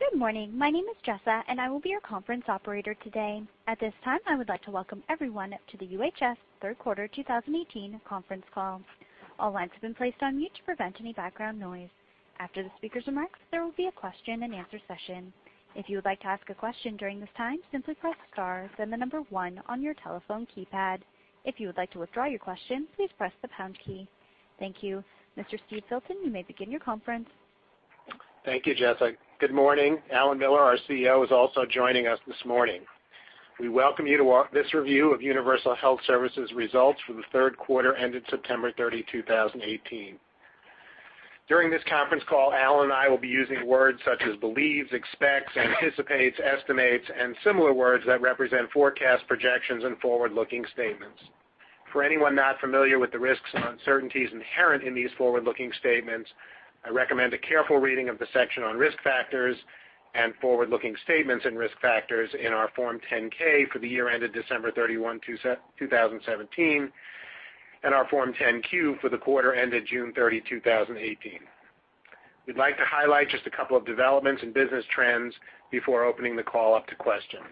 Good morning. My name is Jessa. I will be your conference operator today. At this time, I would like to welcome everyone to the UHS third quarter 2018 conference call. All lines have been placed on mute to prevent any background noise. After the speaker's remarks, there will be a question and answer session. If you would like to ask a question during this time, simply press star, then the number 1 on your telephone keypad. If you would like to withdraw your question, please press the pound key. Thank you. Mr. Steve Filton, you may begin your conference. Thank you, Jessa. Good morning. Alan Miller, our CEO, is also joining us this morning. We welcome you to this review of Universal Health Services results for the third quarter ended September 30, 2018. During this conference call, Alan and I will be using words such as believes, expects, anticipates, estimates, and similar words that represent forecast projections and forward-looking statements. For anyone not familiar with the risks and uncertainties inherent in these forward-looking statements, I recommend a careful reading of the section on risk factors and forward-looking statements and risk factors in our Form 10-K for the year ended December 31, 2017, and our Form 10-Q for the quarter ended June 30, 2018. We'd like to highlight just a couple of developments and business trends before opening the call up to questions.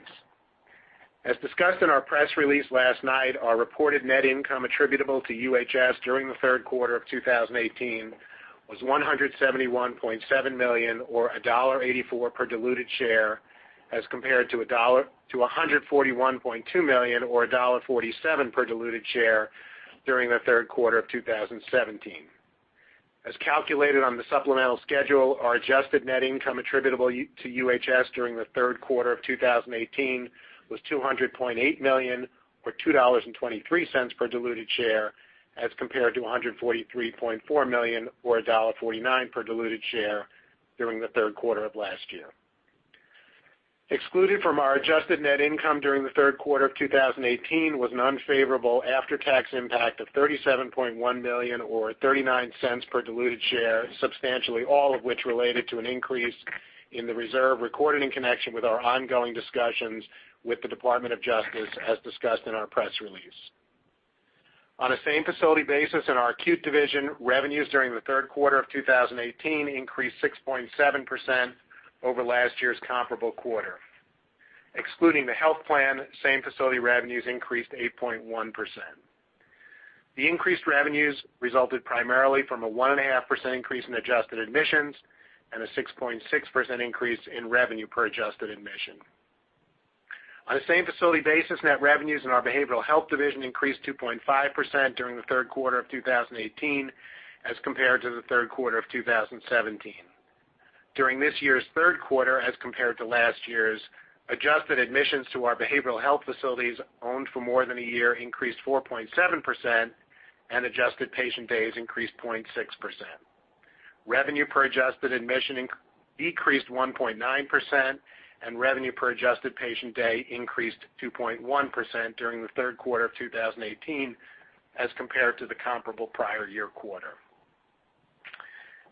As discussed in our press release last night, our reported net income attributable to UHS during the third quarter of 2018 was $171.7 million, or $1.84 per diluted share, as compared to $141.2 million, or $1.47 per diluted share during the third quarter of 2017. As calculated on the supplemental schedule, our adjusted net income attributable to UHS during the third quarter of 2018 was $200.8 million, or $2.23 per diluted share, as compared to $143.4 million, or $1.49 per diluted share during the third quarter of last year. Excluded from our adjusted net income during the third quarter of 2018 was an unfavorable after-tax impact of $37.1 million, or $0.39 per diluted share, substantially all of which related to an increase in the reserve recorded in connection with our ongoing discussions with the Department of Justice, as discussed in our press release. On a same-facility basis in our acute division, revenues during the third quarter of 2018 increased 6.7% over last year's comparable quarter. Excluding the health plan, same-facility revenues increased 8.1%. The increased revenues resulted primarily from a 1.5% increase in adjusted admissions and a 6.6% increase in revenue per adjusted admission. On a same-facility basis, net revenues in our behavioral health division increased 2.5% during the third quarter of 2018 as compared to the third quarter of 2017. During this year's third quarter, as compared to last year's, adjusted admissions to our behavioral health facilities owned for more than a year increased 4.7%, and adjusted patient days increased 0.6%. Revenue per adjusted admission decreased 1.9%, and revenue per adjusted patient day increased 2.1% during the third quarter of 2018 as compared to the comparable prior year quarter.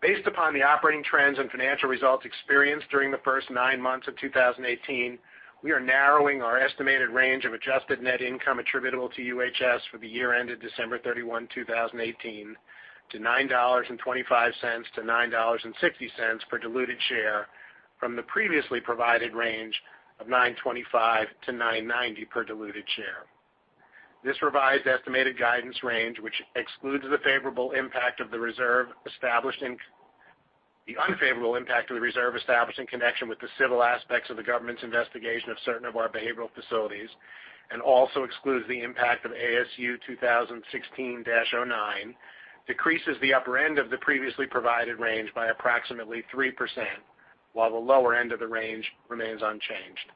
Based upon the operating trends and financial results experienced during the first nine months of 2018, we are narrowing our estimated range of adjusted net income attributable to UHS for the year ended December 31, 2018, to $9.25-$9.60 per diluted share from the previously provided range of $9.25-$9.90 per diluted share. This revised estimated guidance range, which excludes the unfavorable impact of the reserve established in connection with the civil aspects of the government's investigation of certain of our behavioral facilities and also excludes the impact of ASU 2016-09, decreases the upper end of the previously provided range by approximately 3%, while the lower end of the range remains unchanged.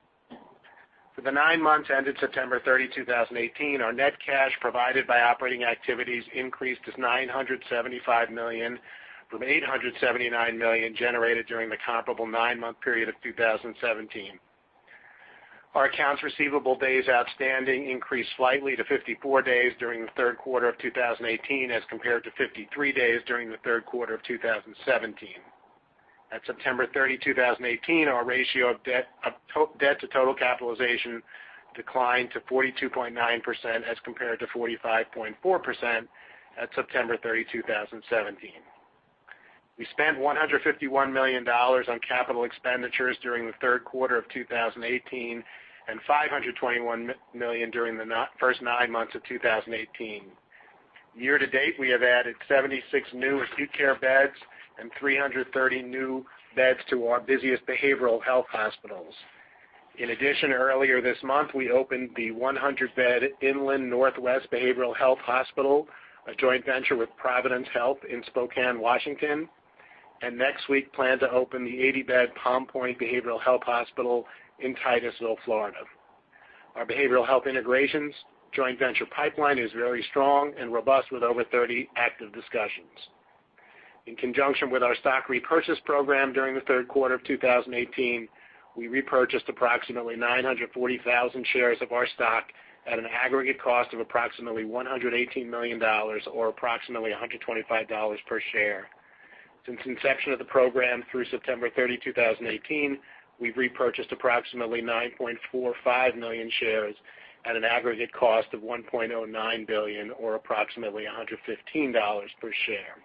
For the nine months ended September 30, 2018, our net cash provided by operating activities increased to $975 million from $879 million generated during the comparable nine-month period of 2017. Our accounts receivable days outstanding increased slightly to 54 days during the third quarter of 2018 as compared to 53 days during the third quarter of 2017. At September 30, 2018, our ratio of debt to total capitalization declined to 42.9% as compared to 45.4% at September 30, 2017. We spent $151 million on capital expenditures during the third quarter of 2018 and $521 million during the first nine months of 2018. Year to date, we have added 76 new acute care beds and 330 new beds to our busiest behavioral health hospitals. In addition, earlier this month, we opened the 100-bed Inland Northwest Behavioral Health Hospital, a joint venture with Providence Health in Spokane, Washington, and next week plan to open the 80-bed Palm Point Behavioral Health Hospital in Titusville, Florida. Our behavioral health integrations joint venture pipeline is very strong and robust with over 30 active discussions. In conjunction with our stock repurchase program during the third quarter of 2018, we repurchased approximately 940,000 shares of our stock at an aggregate cost of approximately $118 million, or approximately $125 per share. Since inception of the program through September 30, 2018, we've repurchased approximately 9.45 million shares at an aggregate cost of $1.09 billion, or approximately $115 per share.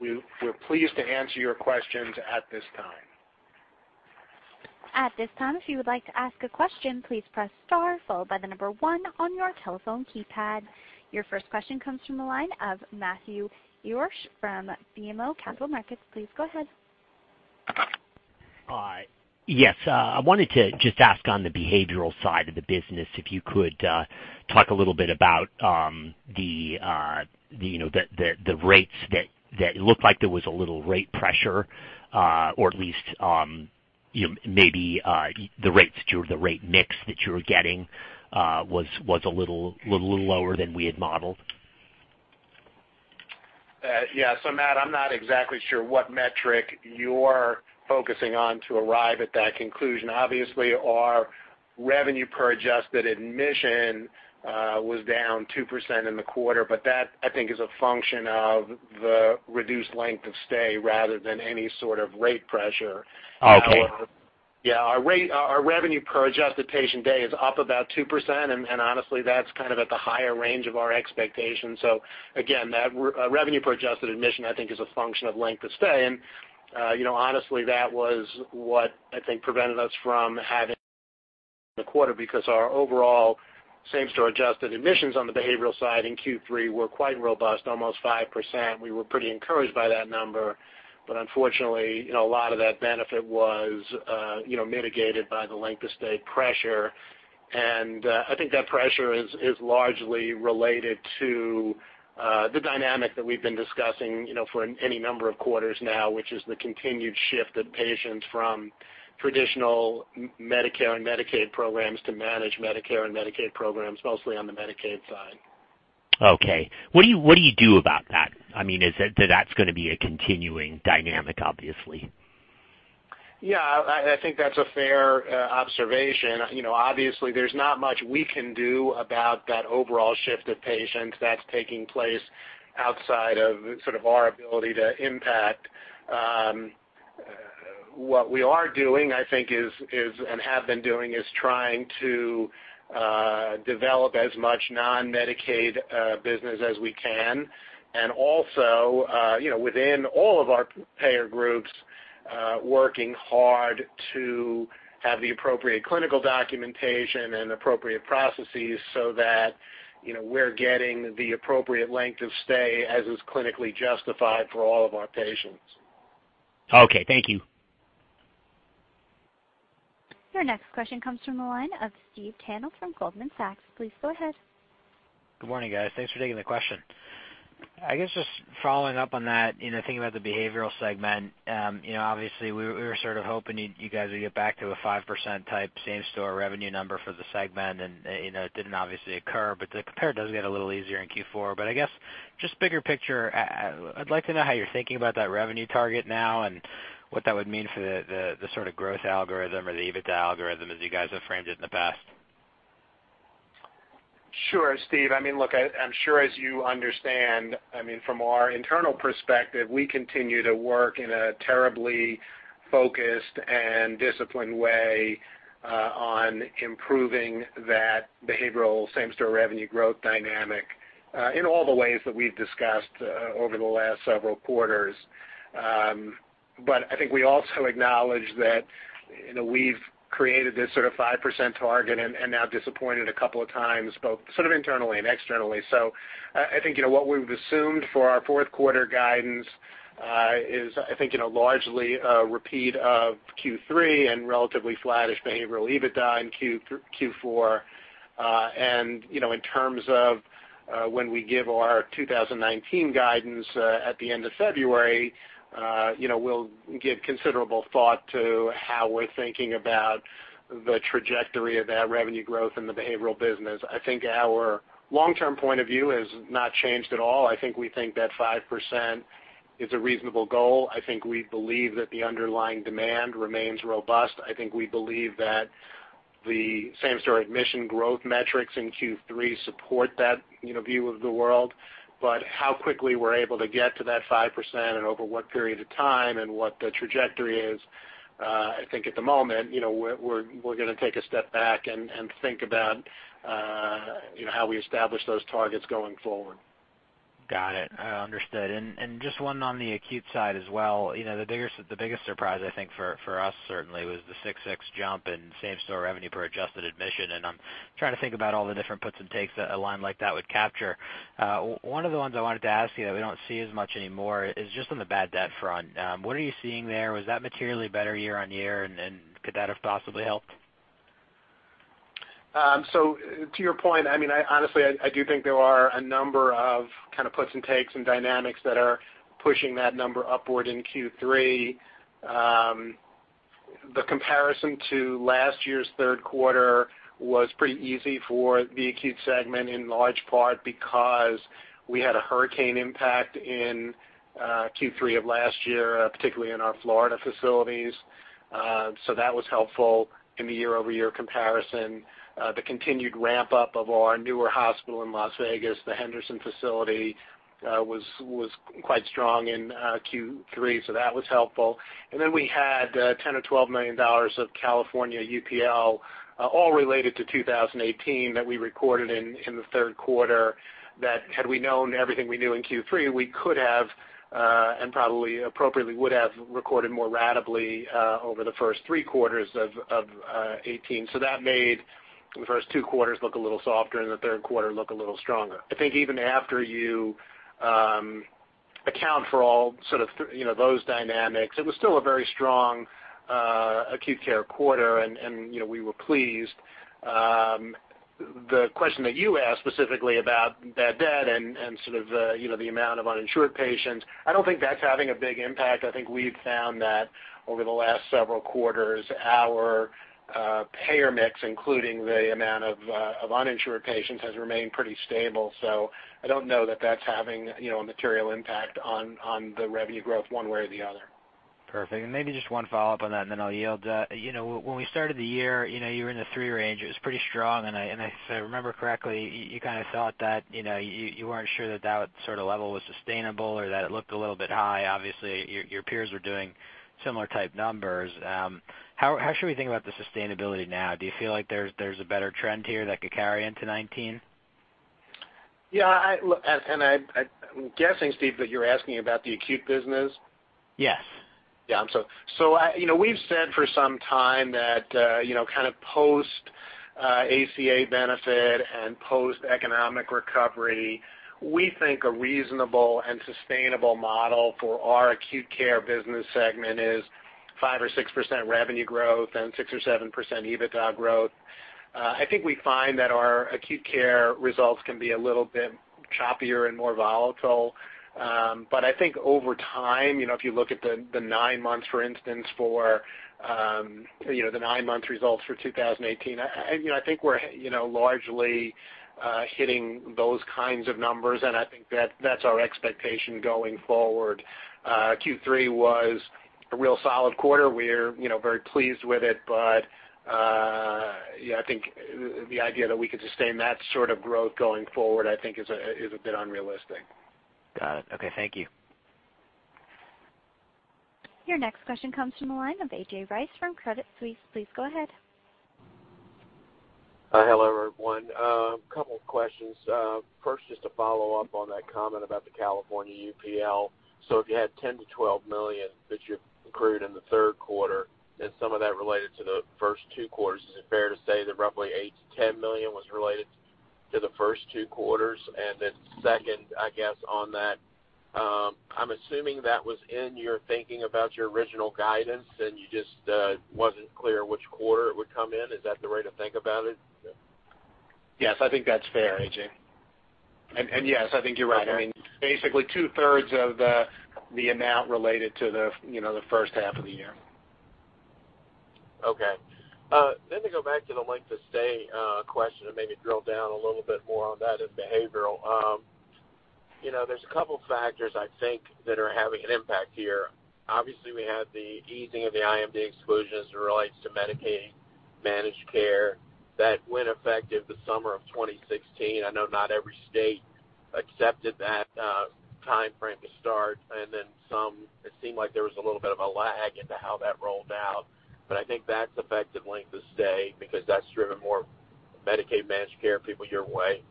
We're pleased to answer your questions at this time. At this time, if you would like to ask a question, please press star followed by the number one on your telephone keypad. Your first question comes from the line of Matthew Borsch from BMO Capital Markets. Please go ahead. Hi. Yes. I wanted to just ask on the behavioral side of the business, if you could talk a little bit about the rates that looked like there was a little rate pressure, or at least, maybe the rates that you were, the rate mix that you were getting was a little lower than we had modeled. Yeah. Matt, I'm not exactly sure what metric you're focusing on to arrive at that conclusion. Obviously, our revenue per adjusted admission was down 2% in the quarter, that, I think, is a function of the reduced length of stay rather than any sort of rate pressure. Okay. Yeah, our revenue per adjusted patient day is up about 2%, honestly, that's at the higher range of our expectations. Again, that revenue per adjusted admission, I think is a function of length of stay, honestly, that was what I think prevented us from having the quarter, our overall same-store adjusted admissions on the behavioral side in Q3 were quite robust, almost 5%. We were pretty encouraged by that number, unfortunately, a lot of that benefit was mitigated by the length of stay pressure, I think that pressure is largely related to the dynamic that we've been discussing for any number of quarters now, which is the continued shift of patients from traditional Medicare and Medicaid programs to manage Medicare and Medicaid programs, mostly on the Medicaid side. Okay. What do you do about that? That's going to be a continuing dynamic, obviously. Yeah, I think that's a fair observation. Obviously, there's not much we can do about that overall shift of patients that's taking place outside of our ability to impact. What we are doing, I think is, and have been doing, is trying to develop as much non-Medicaid business as we can. Also, within all of our payer groups, working hard to have the appropriate clinical documentation and appropriate processes so that we're getting the appropriate length of stay as is clinically justified for all of our patients. Okay. Thank you. Your next question comes from the line of Stephen Tanal from Goldman Sachs. Please go ahead. Good morning, guys. Thanks for taking the question. I guess just following up on that, thinking about the behavioral segment, obviously we were sort of hoping you guys would get back to a 5% type same-store revenue number for the segment, and it didn't obviously occur, but the compare does get a little easier in Q4. I guess, just bigger picture, I'd like to know how you're thinking about that revenue target now and what that would mean for the sort of growth algorithm or the EBITDA algorithm as you guys have framed it in the past. Sure, Steve. Look, I'm sure as you understand, from our internal perspective, we continue to work in a terribly focused and disciplined way on improving that behavioral same-store revenue growth dynamic in all the ways that we've discussed over the last several quarters. I think we also acknowledge that we've created this sort of 5% target and now disappointed a couple of times, both internally and externally. I think what we've assumed for our fourth quarter guidance is I think, largely a repeat of Q3 and relatively flattish behavioral EBITDA in Q4. In terms of when we give our 2019 guidance at the end of February, we'll give considerable thought to how we're thinking about the trajectory of that revenue growth in the behavioral business. I think our long-term point of view has not changed at all. I think we think that 5% is a reasonable goal. I think we believe that the underlying demand remains robust. I think we believe that the same-store admission growth metrics in Q3 support that view of the world. How quickly we're able to get to that 5% and over what period of time and what the trajectory is, I think at the moment, we're going to take a step back and think about how we establish those targets going forward. Got it. Understood. Just one on the acute side as well. The biggest surprise I think for us certainly was the six-six jump in same-store revenue per adjusted admission, and I'm trying to think about all the different puts and takes that a line like that would capture. One of the ones I wanted to ask you that we don't see as much anymore is just on the bad debt front. What are you seeing there? Was that materially better year-over-year, and could that have possibly helped? To your point, honestly, I do think there are a number of kind of puts and takes and dynamics that are pushing that number upward in Q3. The comparison to last year's third quarter was pretty easy for the acute segment in large part because we had a hurricane impact in Q3 of last year, particularly in our Florida facilities. That was helpful in the year-over-year comparison. The continued ramp-up of our newer hospital in Las Vegas, the Henderson facility, was quite strong in Q3, that was helpful. Then we had $10 million or $12 million of California UPL, all related to 2018 that we recorded in the third quarter that had we known everything we knew in Q3, we could have, and probably appropriately would have, recorded more ratably over the first three quarters of 2018. That made the first two quarters look a little softer and the third quarter look a little stronger. I think even after you account for all those dynamics, it was still a very strong acute care quarter, and we were pleased. The question that you asked specifically about bad debt and the amount of uninsured patients, I don't think that's having a big impact. I think we've found that over the last several quarters, our payer mix, including the amount of uninsured patients, has remained pretty stable. I don't know that that's having a material impact on the revenue growth one way or the other. Perfect. Maybe just one follow-up on that, and then I'll yield. When we started the year, you were in the three range. It was pretty strong, and if I remember correctly, you kind of thought that you weren't sure that sort of level was sustainable or that it looked a little bit high. Obviously, your peers were doing similar type numbers. How should we think about the sustainability now? Do you feel like there's a better trend here that could carry into 2019? Yeah. I'm guessing, Steve, that you're asking about the acute business. Yes. Yeah, I'm sorry. We've said for some time that kind of post-ACA benefit and post-economic recovery, we think a reasonable and sustainable model for our acute care business segment is 5% or 6% revenue growth and 6% or 7% EBITDA growth. I think we find that our acute care results can be a little bit choppier and more volatile. I think over time, if you look at the nine months results for 2018, I think we're largely hitting those kinds of numbers, and I think that's our expectation going forward. Q3 was a real solid quarter. We're very pleased with it, I think the idea that we could sustain that sort of growth going forward, I think, is a bit unrealistic. Got it. Okay. Thank you. Your next question comes from the line of A.J. Rice from Credit Suisse. Please go ahead. Hello, everyone. A couple questions. First, just to follow up on that comment about the California UPL. If you had $10 million-$12 million that you accrued in the third quarter and some of that related to the first two quarters, is it fair to say that roughly $8 million-$10 million was related to the first two quarters? Second, I guess on that, I'm assuming that was in your thinking about your original guidance and you just wasn't clear which quarter it would come in. Is that the right way to think about it? Yes, I think that's fair, A.J. Yes, I think you're right. Got it. Basically two-thirds of the amount related to the first half of the year. To go back to the length of stay question and maybe drill down a little bit more on that in behavioral. There's a couple factors I think that are having an impact here. Obviously, we have the easing of the IMD exclusions as it relates to Medicaid-managed care that went effective the summer of 2016. I know not every state accepted that timeframe to start, and then some, it seemed like there was a little bit of a lag into how that rolled out. I think that's affected length of stay because that's driven more Medicaid managed care people your way.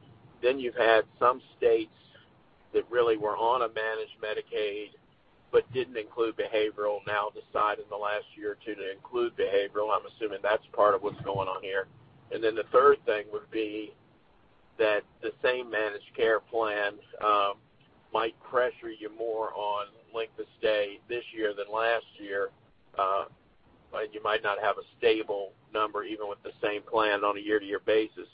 You've had some states that really were on a managed Medicaid but didn't include behavioral now decide in the last year or two to include behavioral. I'm assuming that's part of what's going on here. The third thing would be that the same managed care plans might pressure you more on length of stay this year than last year, but you might not have a stable number even with the same plan on a year-to-year basis.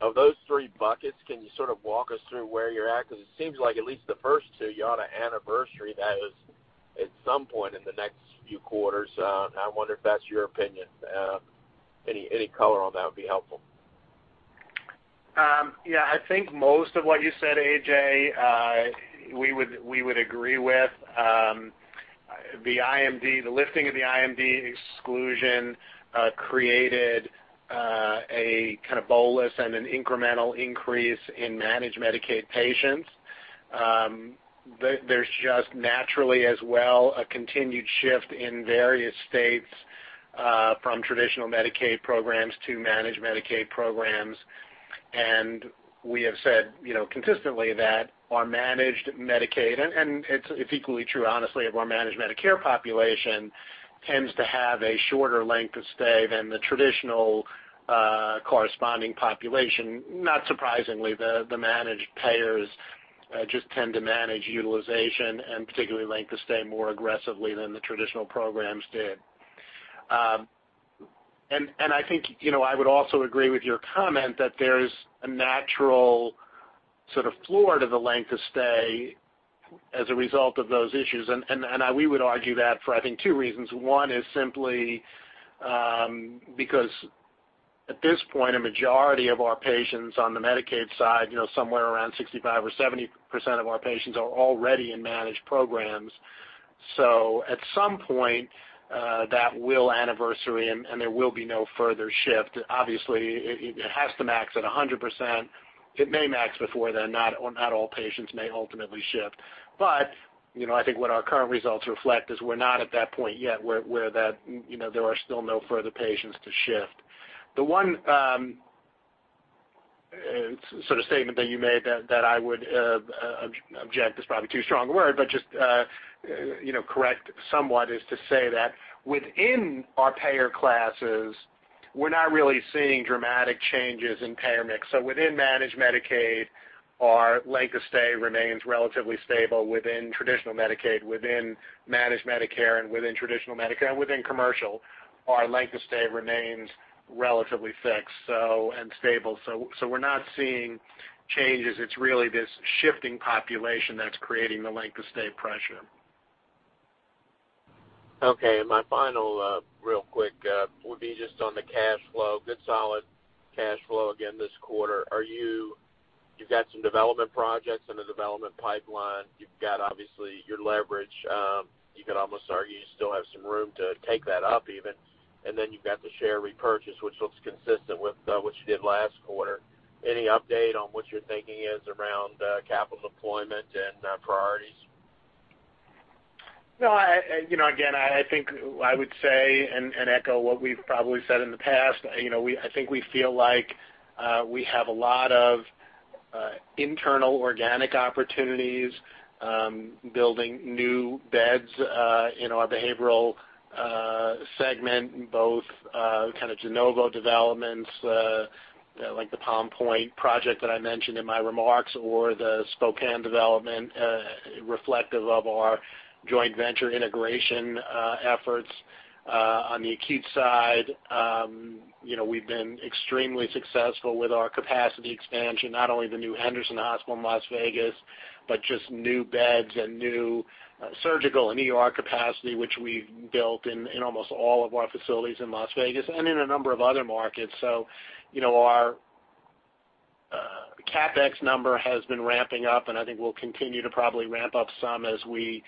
Of those three buckets, can you sort of walk us through where you're at? It seems like at least the first two, you ought to anniversary that is at some point in the next few quarters. I wonder if that's your opinion. Any color on that would be helpful. Yeah, I think most of what you said, A.J., we would agree with. The lifting of the IMD exclusion created a kind of bolus and an incremental increase in managed Medicaid patients. There's just naturally as well a continued shift in various states from traditional Medicaid programs to managed Medicaid programs. We have said consistently that our managed Medicaid, and it's equally true honestly of our managed Medicare population, tends to have a shorter length of stay than the traditional corresponding population. Not surprisingly, the managed payers just tend to manage utilization and particularly length of stay more aggressively than the traditional programs did. I think I would also agree with your comment that there's a natural sort of floor to the length of stay as a result of those issues, and we would argue that for, I think, two reasons. One is simply because at this point, a majority of our patients on the Medicaid side, somewhere around 65% or 70% of our patients are already in managed programs. At some point, that will anniversary, and there will be no further shift. Obviously, it has to max at 100%. It may max before then. Not all patients may ultimately shift. I think what our current results reflect is we're not at that point yet where there are still no further patients to shift. The one sort of statement that you made that I would, object is probably too strong a word, but just correct somewhat, is to say that within our payer classes, we're not really seeing dramatic changes in payer mix. Within managed Medicaid, our length of stay remains relatively stable within traditional Medicaid, within managed Medicare, and within traditional Medicare and within commercial, our length of stay remains relatively fixed and stable. We're not seeing changes. It's really this shifting population that's creating the length of stay pressure. Okay, my final real quick would be just on the cash flow. Good solid cash flow again this quarter. You've got some development projects in the development pipeline. You've got, obviously, your leverage. You could almost argue you still have some room to take that up even. Then you've got the share repurchase, which looks consistent with what you did last quarter. Any update on what your thinking is around capital deployment and priorities? No, again, I think I would say and echo what we've probably said in the past. I think we feel like we have a lot of internal organic opportunities, building new beds in our behavioral segment, both kind of de novo developments, like the Palm Point project that I mentioned in my remarks or the Spokane development, reflective of our joint venture integration efforts. On the acute side, we've been extremely successful with our capacity expansion, not only the new Henderson Hospital in Las Vegas, but just new beds and new surgical and ER capacity, which we've built in almost all of our facilities in Las Vegas and in a number of other markets. Our CapEx number has been ramping up, and I think we'll continue to probably ramp up some as we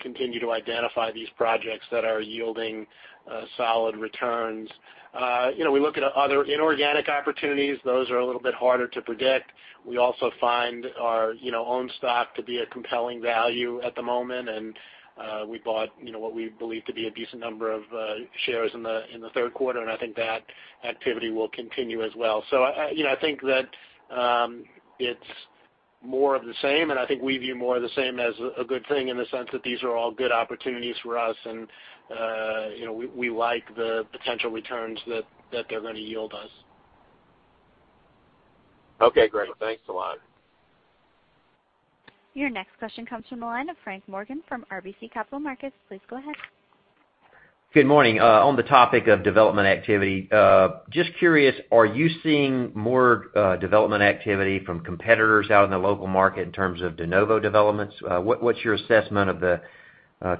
continue to identify these projects that are yielding solid returns. We look at other inorganic opportunities. Those are a little bit harder to predict. We also find our own stock to be a compelling value at the moment, and we bought what we believe to be a decent number of shares in the third quarter, and I think that activity will continue as well. I think that it's more of the same, and I think we view more of the same as a good thing in the sense that these are all good opportunities for us, and we like the potential returns that they're going to yield us. Okay, great. Well, thanks a lot. Your next question comes from the line of Frank Morgan from RBC Capital Markets. Please go ahead. Good morning. On the topic of development activity, just curious, are you seeing more development activity from competitors out in the local market in terms of de novo developments? What's your assessment of the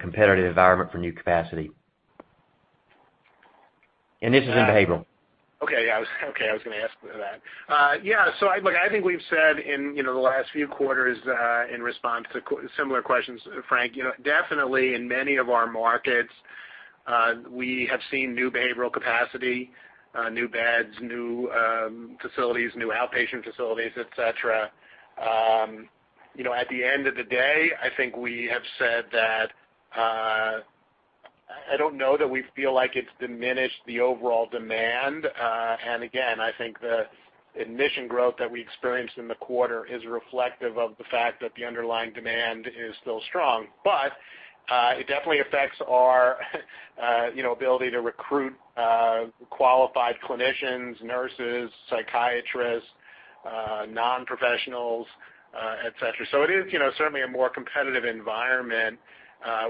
competitive environment for new capacity? This is in behavioral. Okay, yeah. I was going to ask that. Yeah, look, I think we've said in the last few quarters, in response to similar questions, Frank, definitely in many of our markets, we have seen new behavioral capacity, new beds, new facilities, new outpatient facilities, et cetera. At the end of the day, I think we have said that I don't know that we feel like it's diminished the overall demand. Again, I think the admission growth that we experienced in the quarter is reflective of the fact that the underlying demand is still strong. It definitely affects our ability to recruit qualified clinicians, nurses, psychiatrists, non-professionals, et cetera. It is certainly a more competitive environment,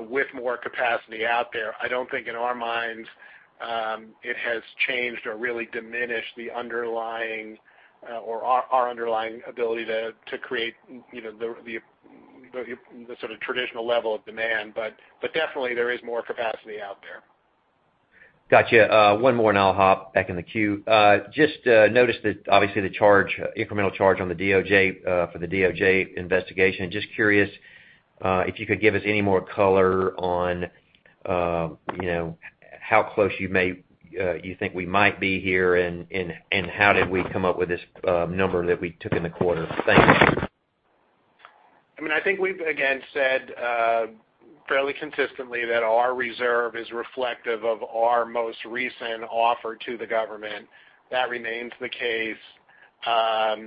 with more capacity out there. I don't think in our minds, it has changed or really diminished the underlying, or our underlying ability to create the sort of traditional level of demand. Definitely there is more capacity out there. Gotcha. One more and I'll hop back in the queue. Just noticed that obviously the incremental charge for the DOJ investigation. Just curious if you could give us any more color on how close you think we might be here, and how did we come up with this number that we took in the quarter? Thanks. I think we've, again, said fairly consistently that our reserve is reflective of our most recent offer to the government. That remains the case. I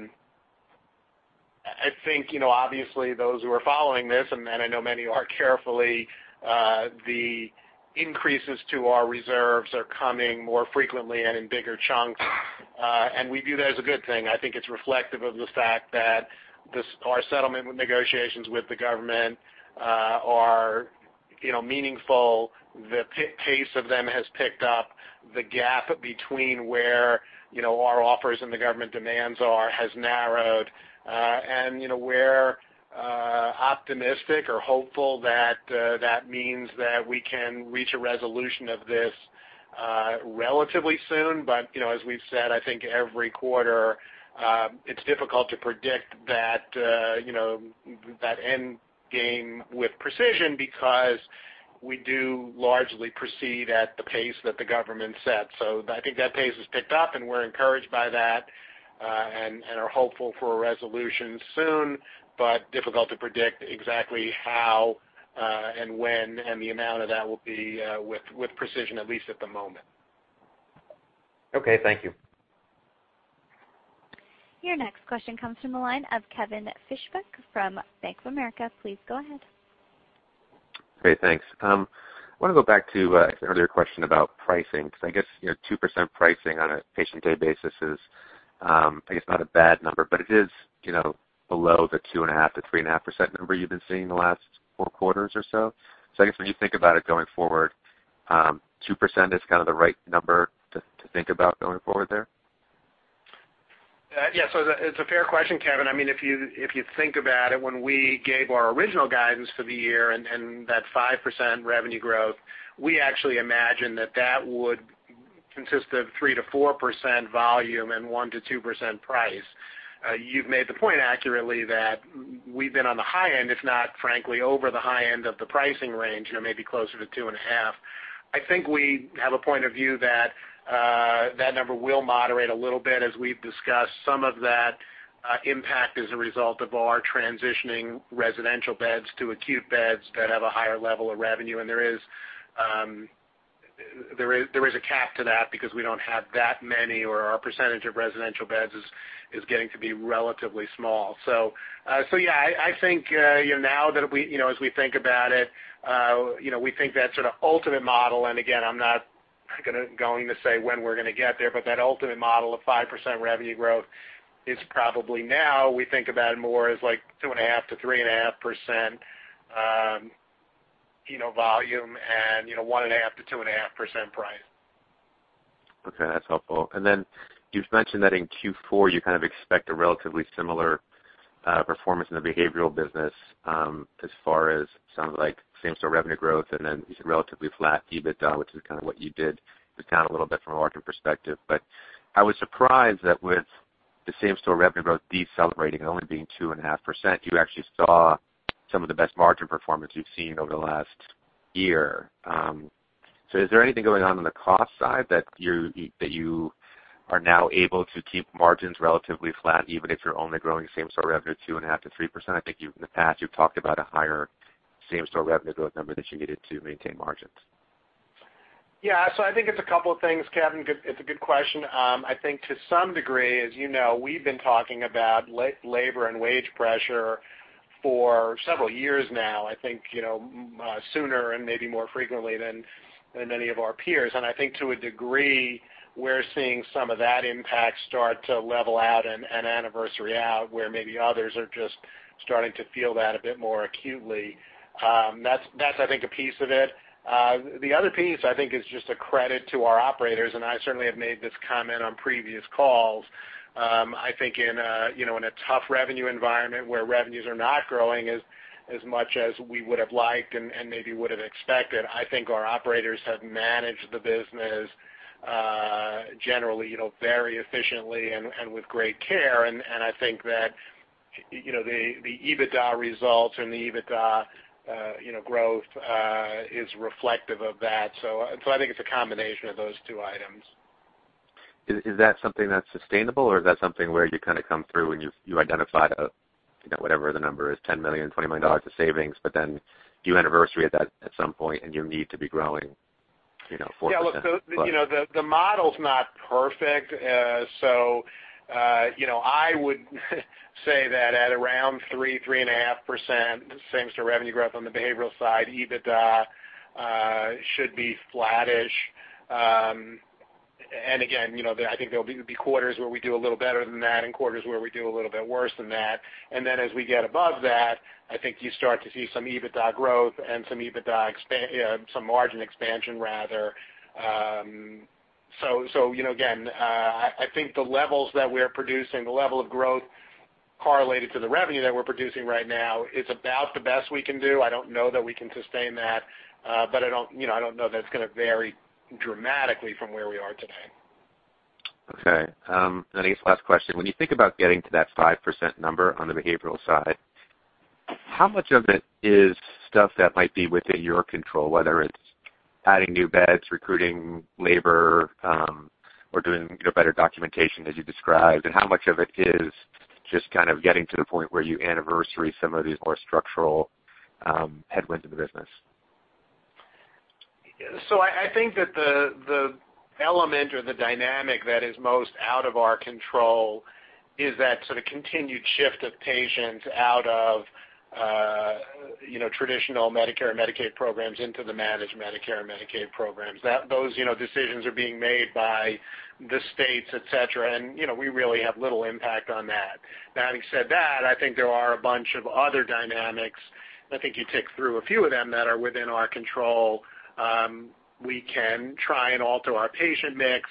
think, obviously those who are following this, and I know many are carefully, the increases to our reserves are coming more frequently and in bigger chunks, and we view that as a good thing. I think it's reflective of the fact that our settlement negotiations with the government are meaningful. The pace of them has picked up. The gap between where our offers and the government demands are has narrowed. We're optimistic or hopeful that means that we can reach a resolution of this relatively soon. As we've said, I think every quarter, it's difficult to predict that end game with precision because we do largely proceed at the pace that the government sets. I think that pace has picked up and we're encouraged by that, and are hopeful for a resolution soon, but difficult to predict exactly how, and when, and the amount of that will be with precision, at least at the moment. Okay, thank you. Your next question comes from the line of Kevin Fischbeck from Bank of America. Please go ahead. Great. Thanks. I want to go back to an earlier question about pricing, because I guess 2% pricing on a patient day basis is, I guess, not a bad number, but it is below the 2.5%-3.5% number you've been seeing the last four quarters or so. I guess when you think about it going forward, 2% is the right number to think about going forward there? Yeah. It's a fair question, Kevin. If you think about it, when we gave our original guidance for the year and that 5% revenue growth, we actually imagined that would consist of 3%-4% volume and 1%-2% price. You've made the point accurately that we've been on the high end, if not frankly, over the high end of the pricing range, maybe closer to 2.5%. I think we have a point of view that number will moderate a little bit. As we've discussed, some of that impact is a result of our transitioning residential beds to acute beds that have a higher level of revenue. There is a cap to that because we don't have that many, or our percentage of residential beds is getting to be relatively small. Yeah, I think now as we think about it, we think that sort of ultimate model, and again, I'm not going to say when we're going to get there, but that ultimate model of 5% revenue growth is probably now, we think about it more as like 2.5%-3.5% volume and 1.5%-2.5% price. Okay, that's helpful. You've mentioned that in Q4, you kind of expect a relatively similar performance in the behavioral business as far as same store revenue growth and then relatively flat EBITDA, which is what you did to count a little bit from a margin perspective. I was surprised that with the same store revenue growth decelerating and only being 2.5%, you actually saw some of the best margin performance you've seen over the last year. Is there anything going on on the cost side that you are now able to keep margins relatively flat even if you're only growing same store revenue 2.5%-3%? I think in the past, you've talked about a higher same store revenue growth number that you needed to maintain margins. I think it's a couple of things, Kevin. It's a good question. I think to some degree, as you know, we've been talking about labor and wage pressure for several years now, I think sooner and maybe more frequently than many of our peers. I think to a degree, we're seeing some of that impact start to level out and anniversary out, where maybe others are just starting to feel that a bit more acutely. That's I think a piece of it. The other piece, I think it's just a credit to our operators, and I certainly have made this comment on previous calls. I think in a tough revenue environment where revenues are not growing as much as we would have liked and maybe would have expected, I think our operators have managed the business generally very efficiently and with great care. I think that the EBITDA results and the EBITDA growth is reflective of that. I think it's a combination of those two items. Is that something that's sustainable or is that something where you come through and you identified whatever the number is, $10 million, $20 million of savings, but then you anniversary at some point and you need to be growing 4%? Yeah, look, the model's not perfect. I would say that at around 3%, 3.5% same store revenue growth on the behavioral side, EBITDA should be flattish. Again, I think there'll be quarters where we do a little better than that and quarters where we do a little bit worse than that. As we get above that, I think you start to see some EBITDA growth and some margin expansion, rather. Again, I think the levels that we're producing, the level of growth correlated to the revenue that we're producing right now is about the best we can do. I don't know that we can sustain that. I don't know that it's going to vary dramatically from where we are today. Okay. I guess last question, when you think about getting to that 5% number on the behavioral side, how much of it is stuff that might be within your control, whether it's adding new beds, recruiting labor, or doing better documentation as you described? And how much of it is just kind of getting to the point where you anniversary some of these more structural headwinds in the business? I think that the element or the dynamic that is most out of our control is that sort of continued shift of patients out of traditional Medicare and Medicaid programs into the managed Medicare and Medicaid programs. Those decisions are being made by the states, et cetera, and we really have little impact on that. Having said that, I think there are a bunch of other dynamics, and I think you ticked through a few of them that are within our control. We can try and alter our patient mix.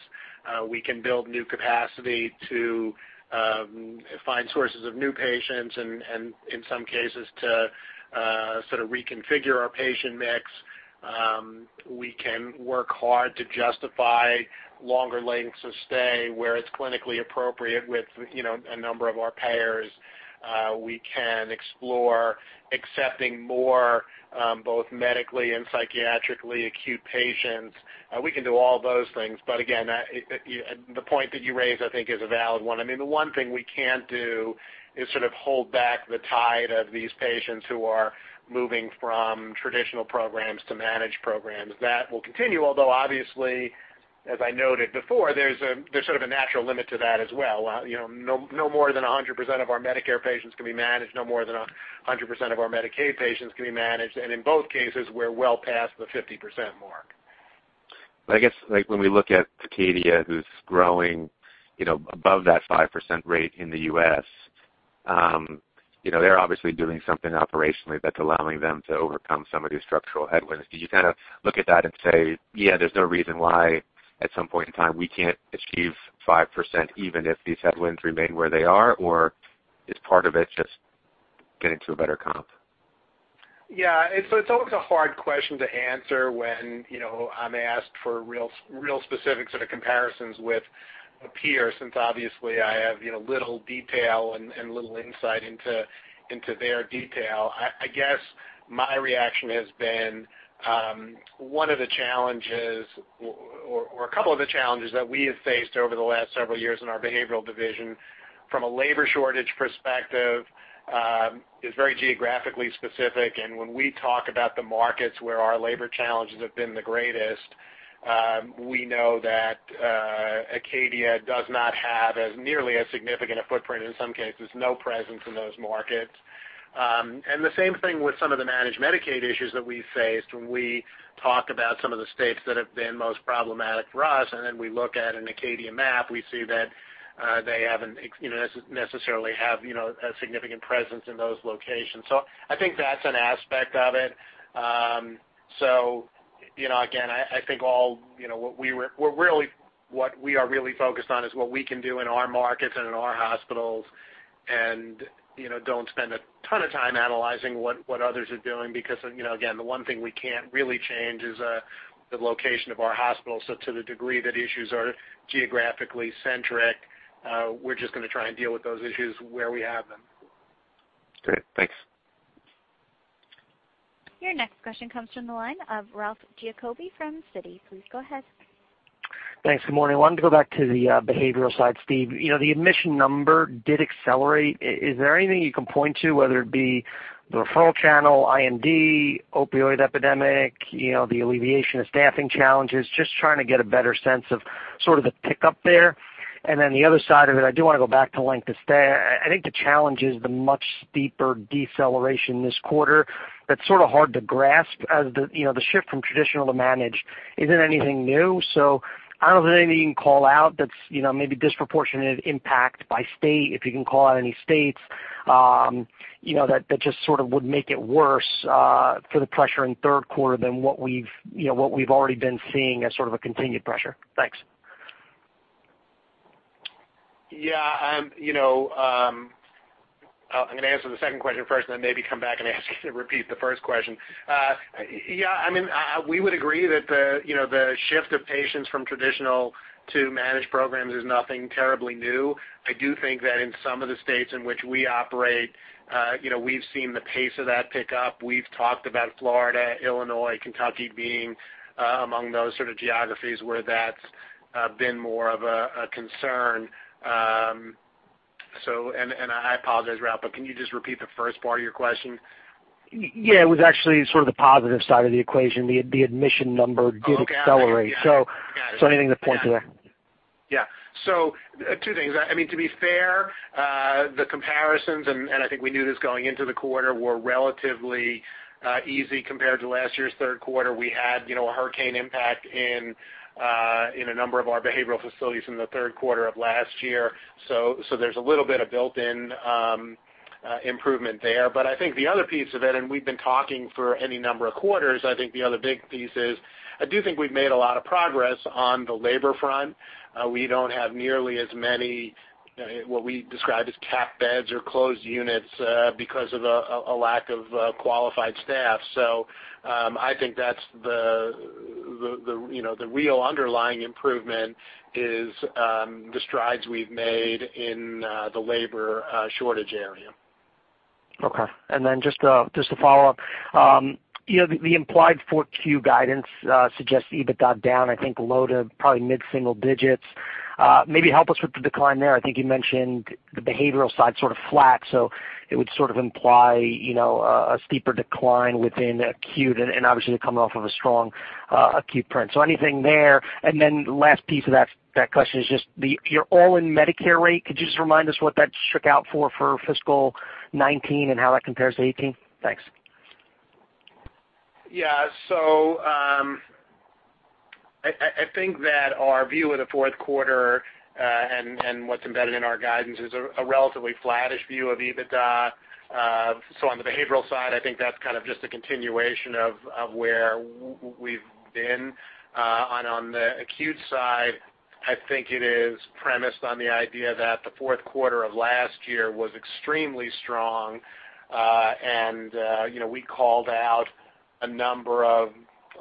We can build new capacity to find sources of new patients and in some cases, to sort of reconfigure our patient mix. We can work hard to justify longer lengths of stay where it's clinically appropriate with a number of our payers. We can explore accepting more both medically and psychiatrically acute patients. We can do all those things. Again, the point that you raise, I think is a valid one. The one thing we can't do is sort of hold back the tide of these patients who are moving from traditional programs to managed programs. That will continue, although obviously, as I noted before, there's sort of a natural limit to that as well. No more than 100% of our Medicare patients can be managed. No more than 100% of our Medicaid patients can be managed. And in both cases, we're well past the 50% mark. I guess, when we look at Acadia, who's growing above that 5% rate in the U.S., they're obviously doing something operationally that's allowing them to overcome some of these structural headwinds. Do you look at that and say, "Yeah, there's no reason why at some point in time we can't achieve 5%, even if these headwinds remain where they are?" Or is part of it just getting to a better comp? Yeah. It's always a hard question to answer when I'm asked for real specific comparisons with a peer, since obviously I have little detail and little insight into their detail. I guess my reaction has been, one of the challenges or a couple of the challenges that we have faced over the last several years in our behavioral division from a labor shortage perspective, is very geographically specific. When we talk about the markets where our labor challenges have been the greatest, we know that Acadia does not have as nearly as significant a footprint, in some cases, no presence in those markets. The same thing with some of the managed Medicaid issues that we faced when we talk about some of the states that have been most problematic for us, then we look at an Acadia map, we see that they haven't necessarily have a significant presence in those locations. I think that's an aspect of it. Again, I think what we are really focused on is what we can do in our markets and in our hospitals and don't spend a ton of time analyzing what others are doing because, again, the one thing we can't really change is the location of our hospitals. To the degree that issues are geographically centric, we're just going to try and deal with those issues where we have them. Great. Thanks. Your next question comes from the line of Ralph Giacobbe from Citi. Please go ahead. Thanks. Good morning. Wanted to go back to the behavioral side, Steve. The admission number did accelerate. Is there anything you can point to, whether it be the referral channel, IMD, opioid epidemic, the alleviation of staffing challenges? Just trying to get a better sense of sort of the pickup there. The other side of it, I do want to go back to length of stay. I think the challenge is the much steeper deceleration this quarter that's sort of hard to grasp as the shift from traditional to managed isn't anything new. I don't know if there's anything you can call out that's maybe disproportionate impact by state, if you can call out any states that just sort of would make it worse for the pressure in third quarter than what we've already been seeing as sort of a continued pressure. Thanks. Yeah. I'm going to answer the second question first, and then maybe come back and ask you to repeat the first question. Yeah, we would agree that the shift of patients from traditional to managed programs is nothing terribly new. I do think that in some of the states in which we operate, we've seen the pace of that pick up. We've talked about Florida, Illinois, Kentucky being among those sort of geographies where that's been more of a concern. I apologize, Ralph, but can you just repeat the first part of your question? Yeah, it was actually sort of the positive side of the equation. The admission number did accelerate. Okay. I got it. Anything to point to there? Yeah. Two things. To be fair, the comparisons, and I think we knew this going into the quarter, were relatively easy compared to last year's third quarter. We had a hurricane impact in a number of our behavioral facilities in the third quarter of last year. There's a little bit of built-in improvement there. I think the other piece of it, and we've been talking for any number of quarters, I think the other big piece is, I do think we've made a lot of progress on the labor front. We don't have nearly as many, what we describe as capped beds or closed units because of a lack of qualified staff. I think that the real underlying improvement is the strides we've made in the labor shortage area. Okay. Just to follow up. The implied 4Q guidance suggests EBITDA down, I think, low to probably mid-single digits. Maybe help us with the decline there. I think you mentioned the behavioral side sort of flat, it would sort of imply a steeper decline within acute and obviously coming off of a strong acute print. Anything there? Last piece of that question is just your all-in Medicare rate. Could you just remind us what that shook out for fiscal 2019 and how that compares to 2018? Thanks. Yeah. I think that our view of the fourth quarter, and what's embedded in our guidance is a relatively flattish view of EBITDA. On the behavioral side, I think that's kind of just a continuation of where we've been. On the acute side, I think it is premised on the idea that the fourth quarter of last year was extremely strong. We called out a number of,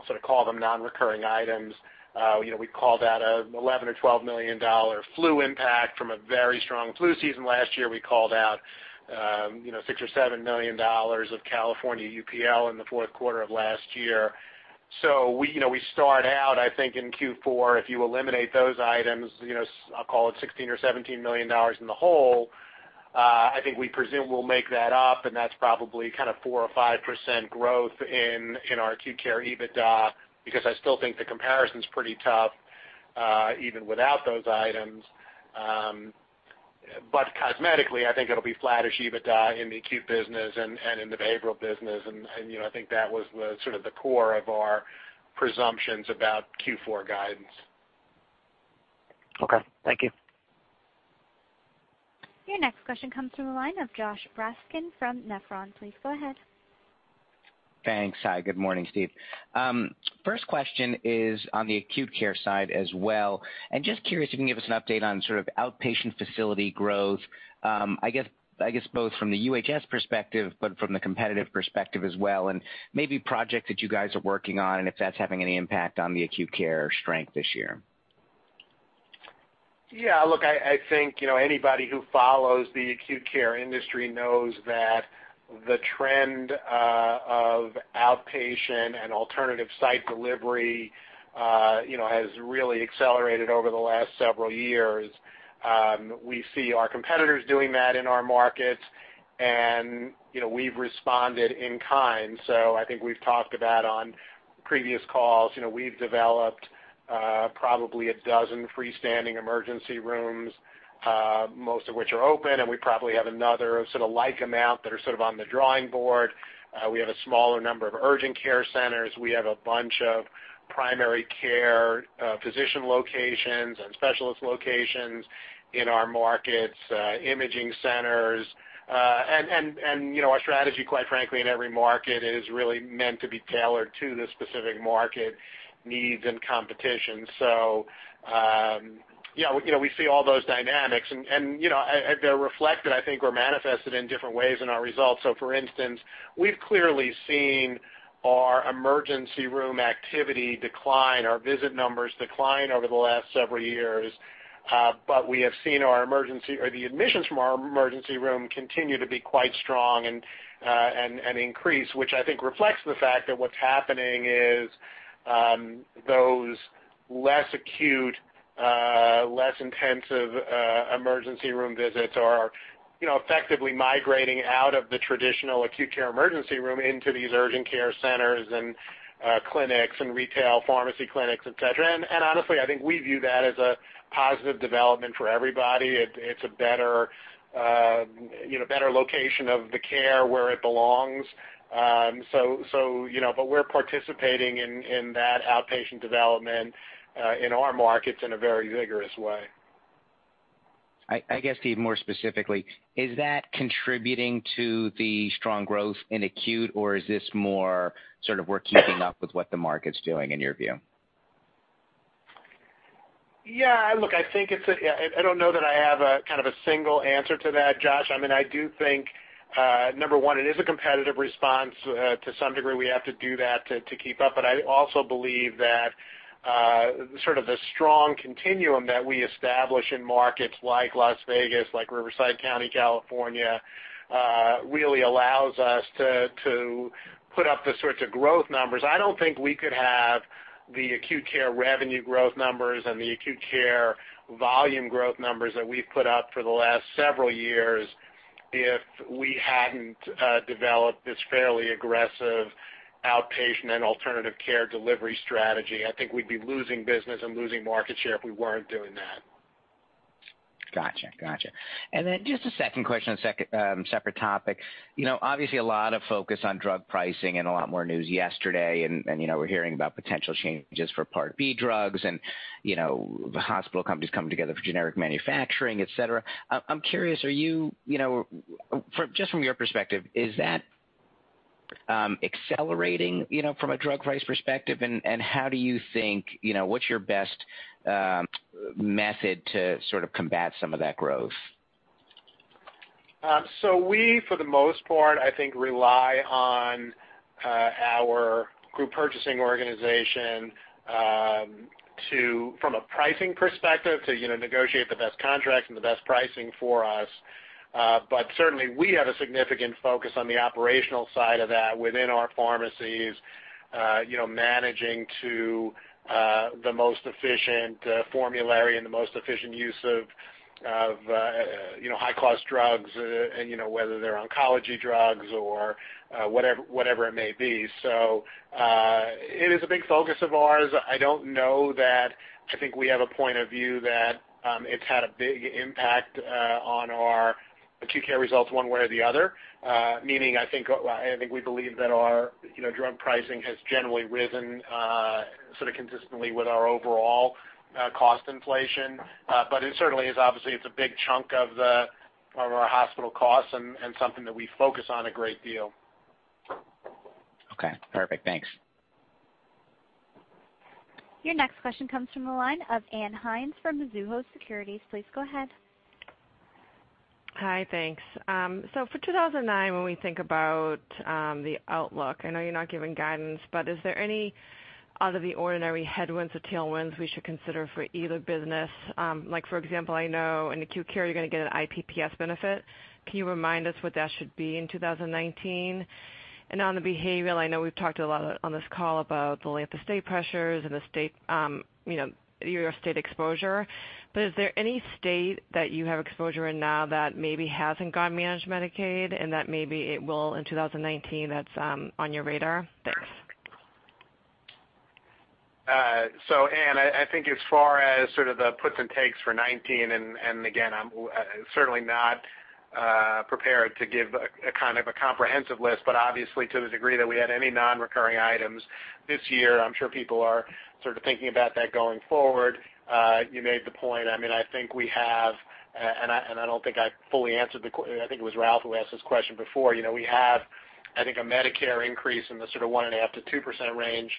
sort of call them non-recurring items. We called out an $11 or $12 million flu impact from a very strong flu season last year. We called out $6 or $7 million of California UPL in the fourth quarter of last year. We start out, I think, in Q4, if you eliminate those items, I'll call it $16 or $17 million in the hole. I think we presume we'll make that up, that's probably 4% or 5% growth in our acute care EBITDA, because I still think the comparison's pretty tough, even without those items. Cosmetically, I think it'll be flattish EBITDA in the acute business and in the behavioral business, and I think that was the core of our presumptions about Q4 guidance. Okay. Thank you. Your next question comes through the line of Josh Raskin from Nephron. Please go ahead. Thanks. Good morning, Steve. First question is on the acute care side as well. Just curious if you can give us an update on outpatient facility growth, I guess both from the UHS perspective, but from the competitive perspective as well, and maybe projects that you guys are working on and if that's having any impact on the acute care strength this year. Yeah, look, I think anybody who follows the acute care industry knows that the trend of outpatient and alternative site delivery has really accelerated over the last several years. We see our competitors doing that in our markets, and we've responded in kind. I think we've talked about on previous calls, we've developed probably 12 freestanding emergency rooms, most of which are open, and we probably have another sort of like amount that are on the drawing board. We have a smaller number of urgent care centers. We have a bunch of primary care physician locations and specialist locations in our markets, imaging centers. Our strategy, quite frankly, in every market is really meant to be tailored to the specific market needs and competition. We see all those dynamics, and they're reflected, I think, or manifested in different ways in our results. For instance, we've clearly seen our emergency room activity decline, our visit numbers decline over the last several years. We have seen the admissions from our emergency room continue to be quite strong and increase, which I think reflects the fact that what's happening is, those less acute, less intensive emergency room visits are effectively migrating out of the traditional acute care emergency room into these urgent care centers and clinics and retail pharmacy clinics, et cetera. Honestly, I think we view that as a positive development for everybody. It's a better location of the care where it belongs. We're participating in that outpatient development, in our markets in a very vigorous way. I guess, Steve, more specifically, is that contributing to the strong growth in acute, or is this more sort of we're keeping up with what the market's doing, in your view? Yeah, look, I don't know that I have a single answer to that, Josh. I do think, number 1, it is a competitive response to some degree we have to do that to keep up. I also believe that the strong continuum that we establish in markets like Las Vegas, like Riverside County, California, really allows us to put up the sorts of growth numbers. I don't think we could have the acute care revenue growth numbers and the acute care volume growth numbers that we've put up for the last several years if we hadn't developed this fairly aggressive outpatient and alternative care delivery strategy. I think we'd be losing business and losing market share if we weren't doing that. Got you. Just a second question, a second separate topic. Obviously, a lot of focus on drug pricing and a lot more news yesterday. We're hearing about potential changes for Part B drugs and the hospital companies coming together for generic manufacturing, et cetera. I'm curious, just from your perspective, is that accelerating, from a drug price perspective, and what's your best method to combat some of that growth? We, for the most part, I think rely on our group purchasing organization, from a pricing perspective, to negotiate the best contracts and the best pricing for us. Certainly, we have a significant focus on the operational side of that within our pharmacies, managing to the most efficient formulary and the most efficient use of high-cost drugs, and whether they're oncology drugs or whatever it may be. It is a big focus of ours. I don't know that I think we have a point of view that it's had a big impact on our acute care results one way or the other. Meaning, I think we believe that our drug pricing has generally risen consistently with our overall cost inflation. It certainly is obviously, it's a big chunk of our hospital costs and something that we focus on a great deal. Okay, perfect. Thanks. Your next question comes from the line of Ann Hynes from Mizuho Securities. Please go ahead. Hi, thanks. For 2019, when we think about the outlook, I know you're not giving guidance, but is there any out of the ordinary headwinds or tailwinds we should consider for either business? For example, I know in acute care, you're going to get an IPPS benefit. Can you remind us what that should be in 2019? On the behavioral, I know we've talked a lot on this call about the length of stay pressures and your state exposure, but is there any state that you have exposure in now that maybe hasn't gone managed Medicaid, and that maybe it will in 2019 that's on your radar? Thanks. Ann, I think as far as sort of the puts and takes for 2019, and again, I'm certainly not prepared to give a comprehensive list, but obviously to the degree that we had any non-recurring items this year, I'm sure people are sort of thinking about that going forward. You made the point, I think we have. I don't think I fully answered the. I think it was Ralph who asked this question before. We have, I think, a Medicare increase in the sort of 1.5%-2% range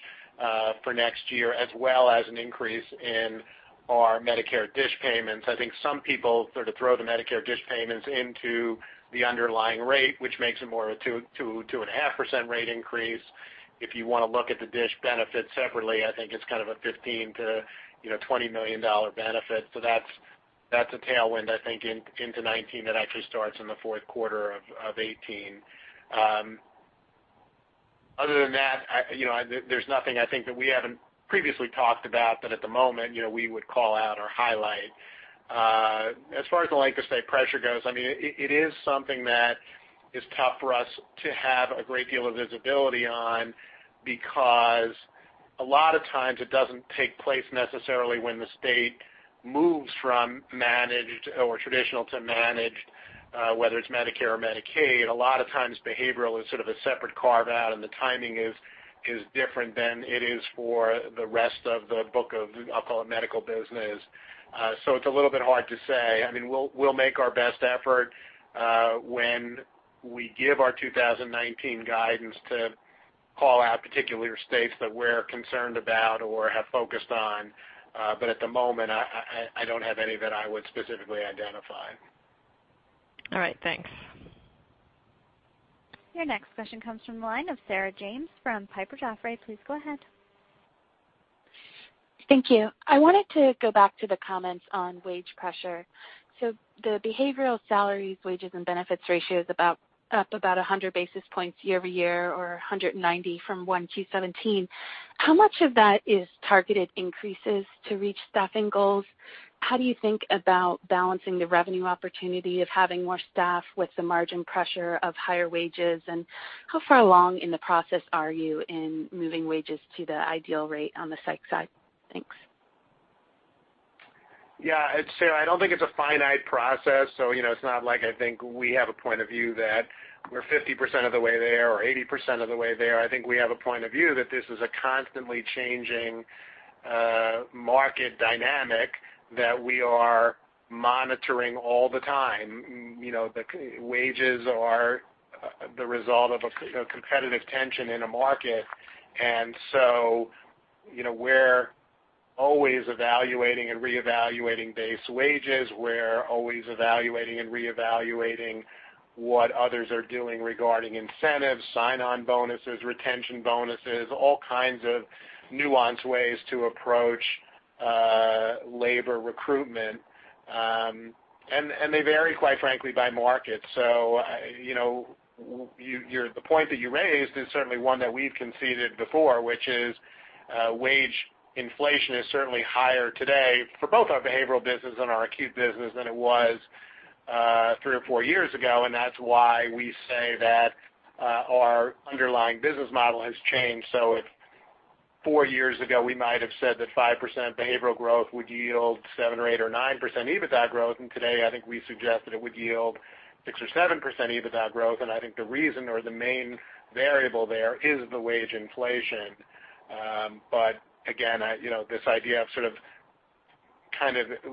for next year, as well as an increase in our Medicare DSH payments. I think some people sort of throw the Medicare DSH payments into the underlying rate, which makes it more a 2.5% rate increase. If you want to look at the DSH benefit separately, I think it's kind of a $15 million-$20 million benefit. That's a tailwind, I think, into 2019 that actually starts in the fourth quarter of 2018. Other than that, there's nothing I think that we haven't previously talked about that at the moment, we would call out or highlight. As far as the length of stay pressure goes, it is something that is tough for us to have a great deal of visibility on, because a lot of times it doesn't take place necessarily when the state moves from managed or traditional to managed, whether it's Medicare or Medicaid. A lot of times behavioral is sort of a separate carve-out, and the timing is different than it is for the rest of the book of, I'll call it medical business. It's a little bit hard to say. We'll make our best effort when we give our 2019 guidance to call out particular states that we're concerned about or have focused on. At the moment, I don't have any that I would specifically identify. All right, thanks. Your next question comes from the line of Sarah James from Piper Jaffray. Please go ahead. Thank you. I wanted to go back to the comments on wage pressure. The behavioral salaries, wages, and benefits ratio is up about 100 basis points year-over-year, or 190 from 1Q17. How much of that is targeted increases to reach staffing goals? How do you think about balancing the revenue opportunity of having more staff with the margin pressure of higher wages? How far along in the process are you in moving wages to the ideal rate on the psych side? Thanks. Yeah. Sarah, I don't think it's a finite process. It's not like I think we have a point of view that we're 50% of the way there or 80% of the way there. I think we have a point of view that this is a constantly changing market dynamic that we are monitoring all the time. The wages are the result of competitive tension in a market. We're always evaluating and reevaluating base wages. We're always evaluating and reevaluating what others are doing regarding incentives, sign-on bonuses, retention bonuses, all kinds of nuanced ways to approach labor recruitment. They vary, quite frankly, by market. The point that you raised is certainly one that we've conceded before, which is wage inflation is certainly higher today for both our behavioral business and our acute business than it was three or four years ago, and that's why we say that our underlying business model has changed. If four years ago, we might have said that 5% behavioral growth would yield 7% or 8% or 9% EBITDA growth, today, I think we suggest that it would yield 6% or 7% EBITDA growth. I think the reason or the main variable there is the wage inflation. Again, this idea of sort of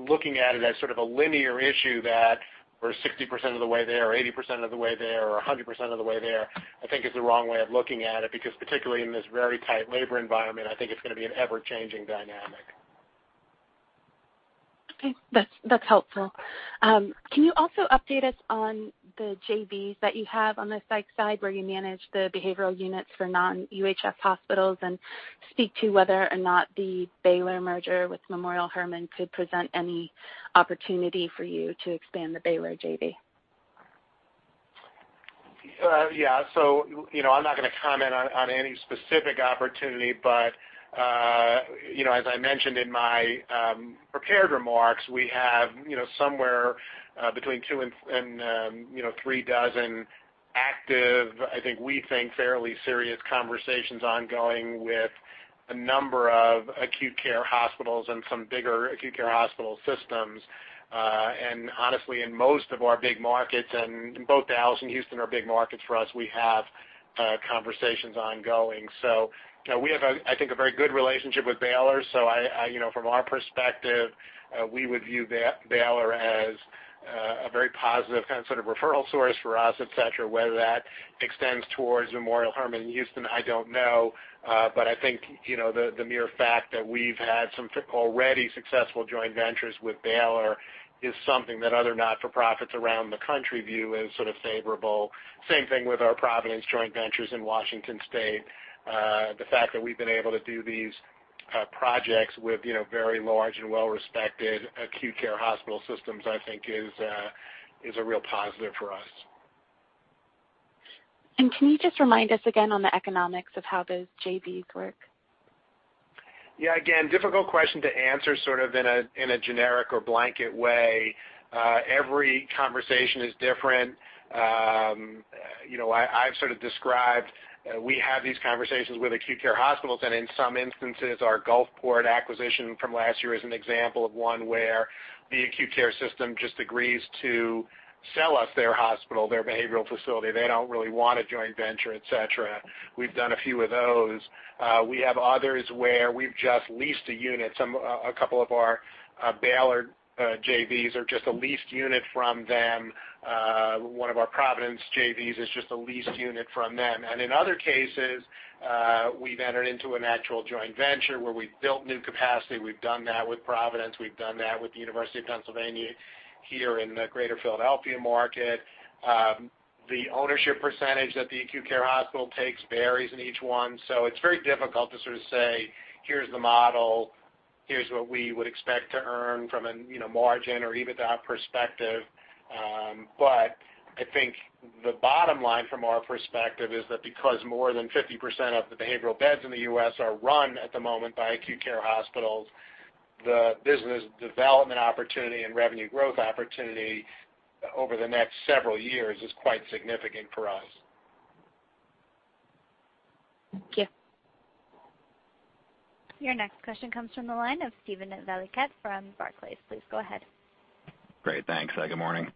looking at it as sort of a linear issue that we're 60% of the way there, or 80% of the way there, or 100% of the way there, I think is the wrong way of looking at it, because particularly in this very tight labor environment, I think it's going to be an ever-changing dynamic. Okay. That's helpful. Can you also update us on the JVs that you have on the psych side where you manage the behavioral units for non-UHS hospitals and speak to whether or not the Baylor merger with Memorial Hermann could present any opportunity for you to expand the Baylor JV? Yeah. I'm not going to comment on any specific opportunity, as I mentioned in my prepared remarks, we have somewhere between two and three dozen active, I think we think fairly serious conversations ongoing with a number of acute care hospitals and some bigger acute care hospital systems. Honestly, in most of our big markets, and both Dallas and Houston are big markets for us, we have conversations ongoing. We have, I think, a very good relationship with Baylor. From our perspective, we would view Baylor as a very positive sort of referral source for us, et cetera. Whether that extends towards Memorial Hermann in Houston, I don't know. I think, the mere fact that we've had some already successful joint ventures with Baylor is something that other not-for-profits around the country view as sort of favorable. Same thing with our Providence joint ventures in Washington State. The fact that we've been able to do these projects with very large and well-respected acute care hospital systems, I think, is a real positive for us. Can you just remind us again on the economics of how those JVs work? Yeah. Again, difficult question to answer in a generic or blanket way. Every conversation is different. I've sort of described, we have these conversations with acute care hospitals and in some instances, our Gulfport acquisition from last year is an example of one where the acute care system just agrees to sell us their hospital, their behavioral facility. They don't really want a joint venture, et cetera. We've done a few of those. We have others where we've just leased a unit. A couple of our Baylor JVs are just a leased unit from them. One of our Providence JVs is just a leased unit from them. In other cases, we've entered into an actual joint venture where we've built new capacity. We've done that with Providence. We've done that with the University of Pennsylvania here in the greater Philadelphia market. The ownership percentage that the acute care hospital takes varies in each one. It's very difficult to say, "Here's the model. Here's what we would expect to earn from a margin or EBITDA perspective." I think the bottom line from our perspective is that because more than 50% of the behavioral beds in the U.S. are run at the moment by acute care hospitals, the business development opportunity and revenue growth opportunity over the next several years is quite significant for us. Thank you. Your next question comes from the line of Steven Valiquette from Barclays. Please go ahead. Great. Thanks. Good morning.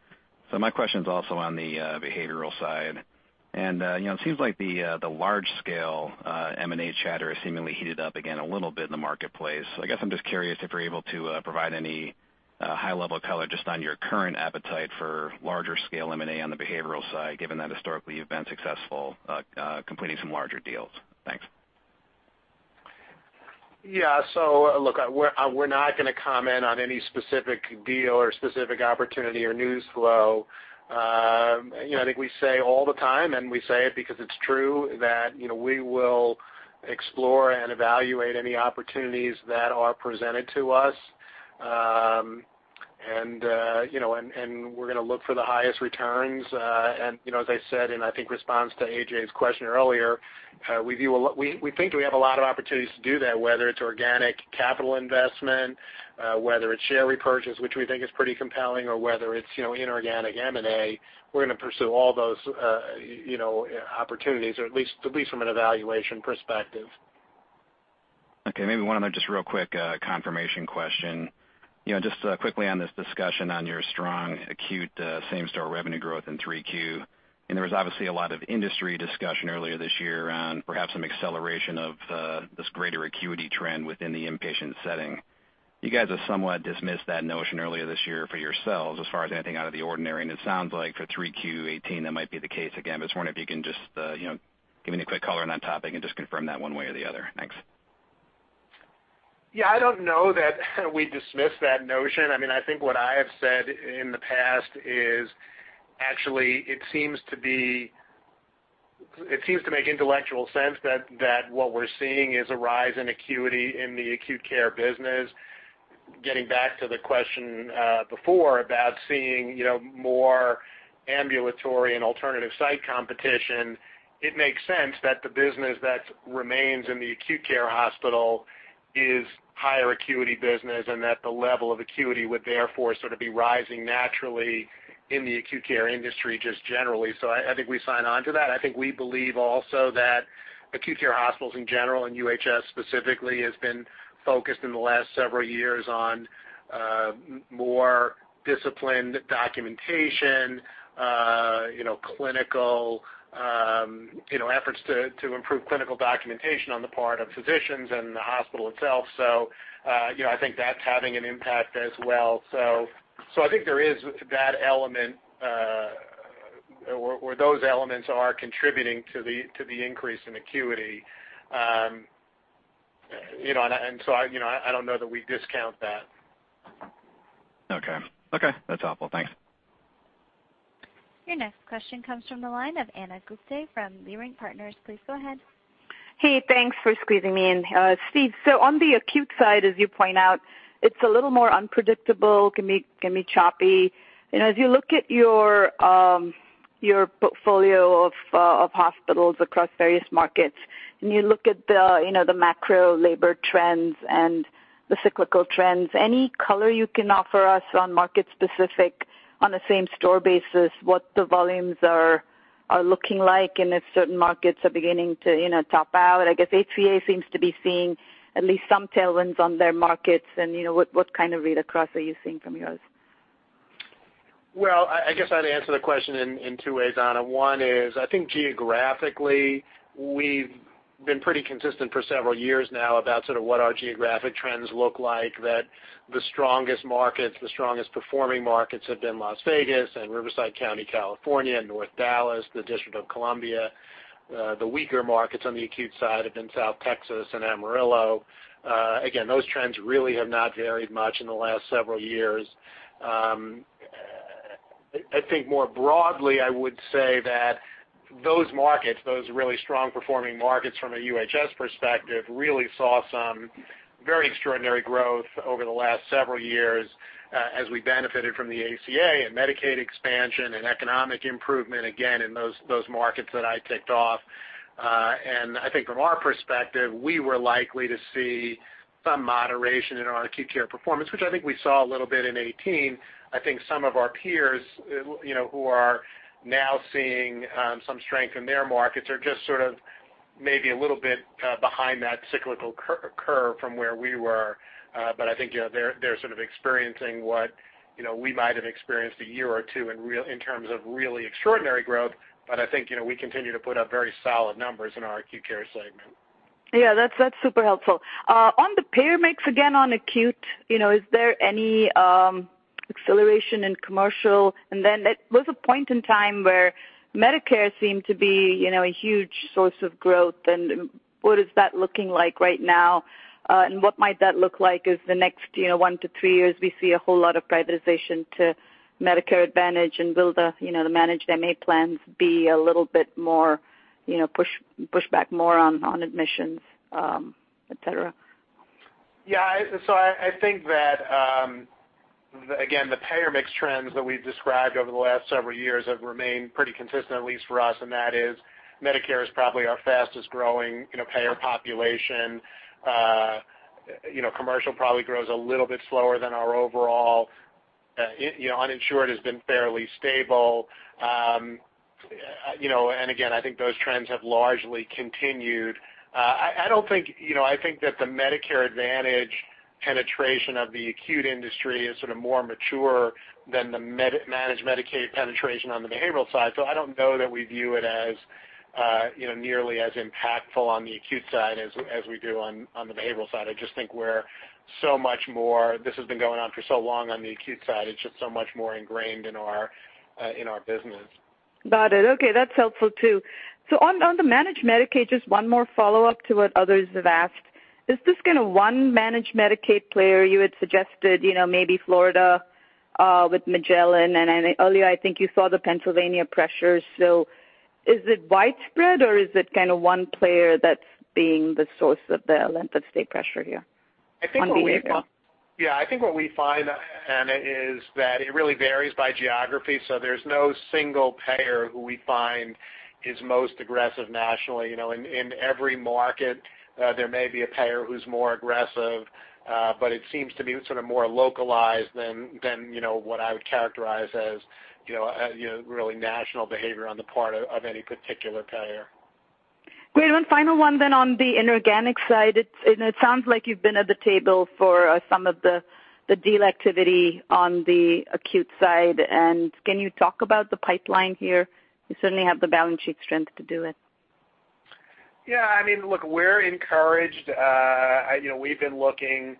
My question's also on the behavioral side. It seems like the large-scale M&A chatter has seemingly heated up again a little bit in the marketplace. I guess I'm just curious if you're able to provide any high level color just on your current appetite for larger scale M&A on the behavioral side, given that historically you've been successful completing some larger deals. Thanks. Yeah. Look, we're not going to comment on any specific deal or specific opportunity or news flow. I think we say all the time, and we say it because it's true, that we will explore and evaluate any opportunities that are presented to us. We're going to look for the highest returns. As I said, in, I think, response to A.J.'s question earlier, we think we have a lot of opportunities to do that, whether it's organic capital investment, whether it's share repurchase, which we think is pretty compelling, or whether it's inorganic M&A. We're going to pursue all those opportunities, or at least from an evaluation perspective. Okay, maybe one other just real quick confirmation question. Just quickly on this discussion on your strong acute same-store revenue growth in 3Q, and there was obviously a lot of industry discussion earlier this year around perhaps some acceleration of this greater acuity trend within the inpatient setting. You guys have somewhat dismissed that notion earlier this year for yourselves as far as anything out of the ordinary, and it sounds like for 3Q 2018, that might be the case again. I was wondering if you can just give any quick color on that topic and just confirm that one way or the other. Thanks. Yeah, I don't know that we dismissed that notion. I think what I have said in the past is actually, it seems to make intellectual sense that what we're seeing is a rise in acuity in the acute care business. Getting back to the question before about seeing more ambulatory and alternative site competition, it makes sense that the business that remains in the acute care hospital is higher acuity business, and that the level of acuity would therefore sort of be rising naturally in the acute care industry just generally. I think we sign on to that. I think we believe also that acute care hospitals in general, and UHS specifically, has been focused in the last several years on more disciplined documentation, efforts to improve clinical documentation on the part of physicians and the hospital itself. I think that's having an impact as well. I think there is that element, or those elements are contributing to the increase in acuity. I don't know that we discount that. Okay. That's helpful. Thanks. Your next question comes from the line of Ana Gupte from Leerink Partners. Please go ahead. Hey, thanks for squeezing me in. Steve, on the acute side, as you point out, it's a little more unpredictable, can be choppy. As you look at your portfolio of hospitals across various markets, and you look at the macro labor trends and the cyclical trends, any color you can offer us on market specific, on a same-store basis, what the volumes are looking like and if certain markets are beginning to top out? I guess HCA seems to be seeing at least some tailwinds on their markets and what kind of read across are you seeing from yours? Well, I guess I'd answer the question in two ways, Ana. One is, I think geographically, we've been pretty consistent for several years now about sort of what our geographic trends look like, that the strongest markets, the strongest performing markets have been Las Vegas and Riverside County, California, North Dallas, the District of Columbia. The weaker markets on the acute side have been South Texas and Amarillo. Again, those trends really have not varied much in the last several years. I think more broadly, I would say that those markets, those really strong performing markets from a UHS perspective, really saw some very extraordinary growth over the last several years as we benefited from the ACA and Medicaid expansion and economic improvement, again, in those markets that I ticked off. I think from our perspective, we were likely to see some moderation in our acute care performance, which I think we saw a little bit in 2018. I think some of our peers, who are now seeing some strength in their markets, are just maybe a little bit behind that cyclical curve from where we were. I think they're experiencing what we might have experienced a year or two in terms of really extraordinary growth. I think, we continue to put up very solid numbers in our acute care segment. Yeah, that's super helpful. On the payer mix, again, on acute, is there any acceleration in commercial? There was a point in time where Medicare seemed to be a huge source of growth. What is that looking like right now? What might that look like as the next 1 to 3 years, we see a whole lot of privatization to Medicare Advantage, and will the managed MA plans be a little bit more, push back more on admissions, et cetera? Yeah. I think that, again, the payer mix trends that we've described over the last several years have remained pretty consistent, at least for us. Medicare is probably our fastest growing payer population. Commercial probably grows a little bit slower than our overall. Uninsured has been fairly stable. Again, I think those trends have largely continued. I think that the Medicare Advantage penetration of the acute industry is more mature than the managed Medicaid penetration on the behavioral side. I don't know that we view it as nearly as impactful on the acute side as we do on the behavioral side. I just think this has been going on for so long on the acute side, it's just so much more ingrained in our business. Got it. Okay. That's helpful, too. On the managed Medicaid, just one more follow-up to what others have asked. Is this one managed Medicaid player you had suggested, maybe Florida, with Magellan, and earlier, I think you saw the Pennsylvania pressures. Is it widespread, or is it one player that's being the source of the length of stay pressure here? On behavioral. Yeah, I think what we find, Ana, is that it really varies by geography. There's no single payer who we find is most aggressive nationally. In every market, there may be a payer who's more aggressive, but it seems to be more localized than what I would characterize as really national behavior on the part of any particular payer. Great. One final one on the inorganic side. It sounds like you've been at the table for some of the deal activity on the acute side. Can you talk about the pipeline here? You certainly have the balance sheet strength to do it. Yeah. Look, we're encouraged. We've been looking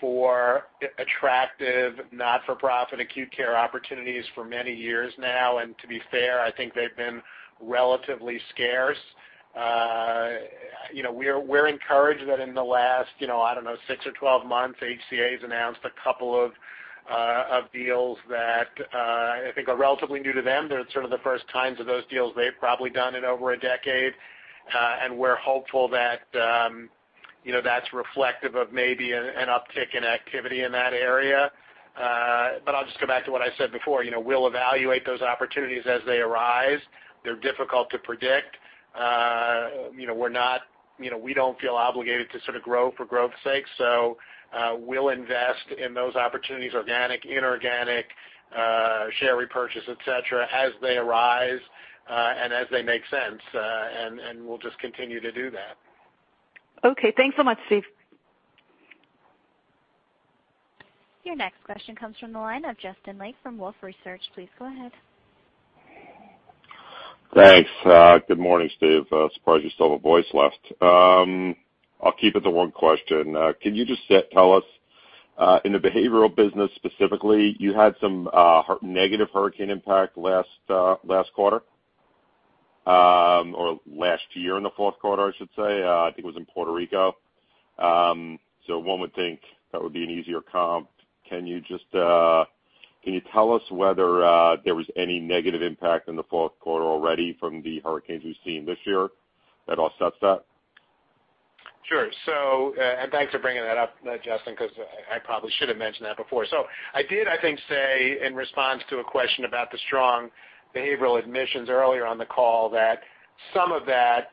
for attractive, not-for-profit acute care opportunities for many years now. To be fair, I think they've been relatively scarce. We're encouraged that in the last, I don't know, six or 12 months, HCA has announced a couple of deals that I think are relatively new to them. They're sort of the first times of those deals they've probably done in over a decade. We're hopeful that's reflective of maybe an uptick in activity in that area. I'll just go back to what I said before. We'll evaluate those opportunities as they arise. They're difficult to predict. We don't feel obligated to sort of grow for growth's sake. We'll invest in those opportunities, organic, inorganic, share repurchase, et cetera, as they arise, and as they make sense, and we'll just continue to do that. Okay. Thanks so much, Steve. Your next question comes from the line of Justin Lake from Wolfe Research. Please go ahead. Thanks. Good morning, Steve. Surprised you still have a voice left. I'll keep it to one question. Can you just tell us, in the behavioral business specifically, you had some negative hurricane impact last quarter, or last year in the fourth quarter, I should say. I think it was in Puerto Rico. One would think that would be an easier comp. Can you tell us whether there was any negative impact in the fourth quarter already from the hurricanes we've seen this year at all, such that? Sure. Thanks for bringing that up, Justin, because I probably should have mentioned that before. I did, I think, say, in response to a question about the strong behavioral admissions earlier on the call, that some of that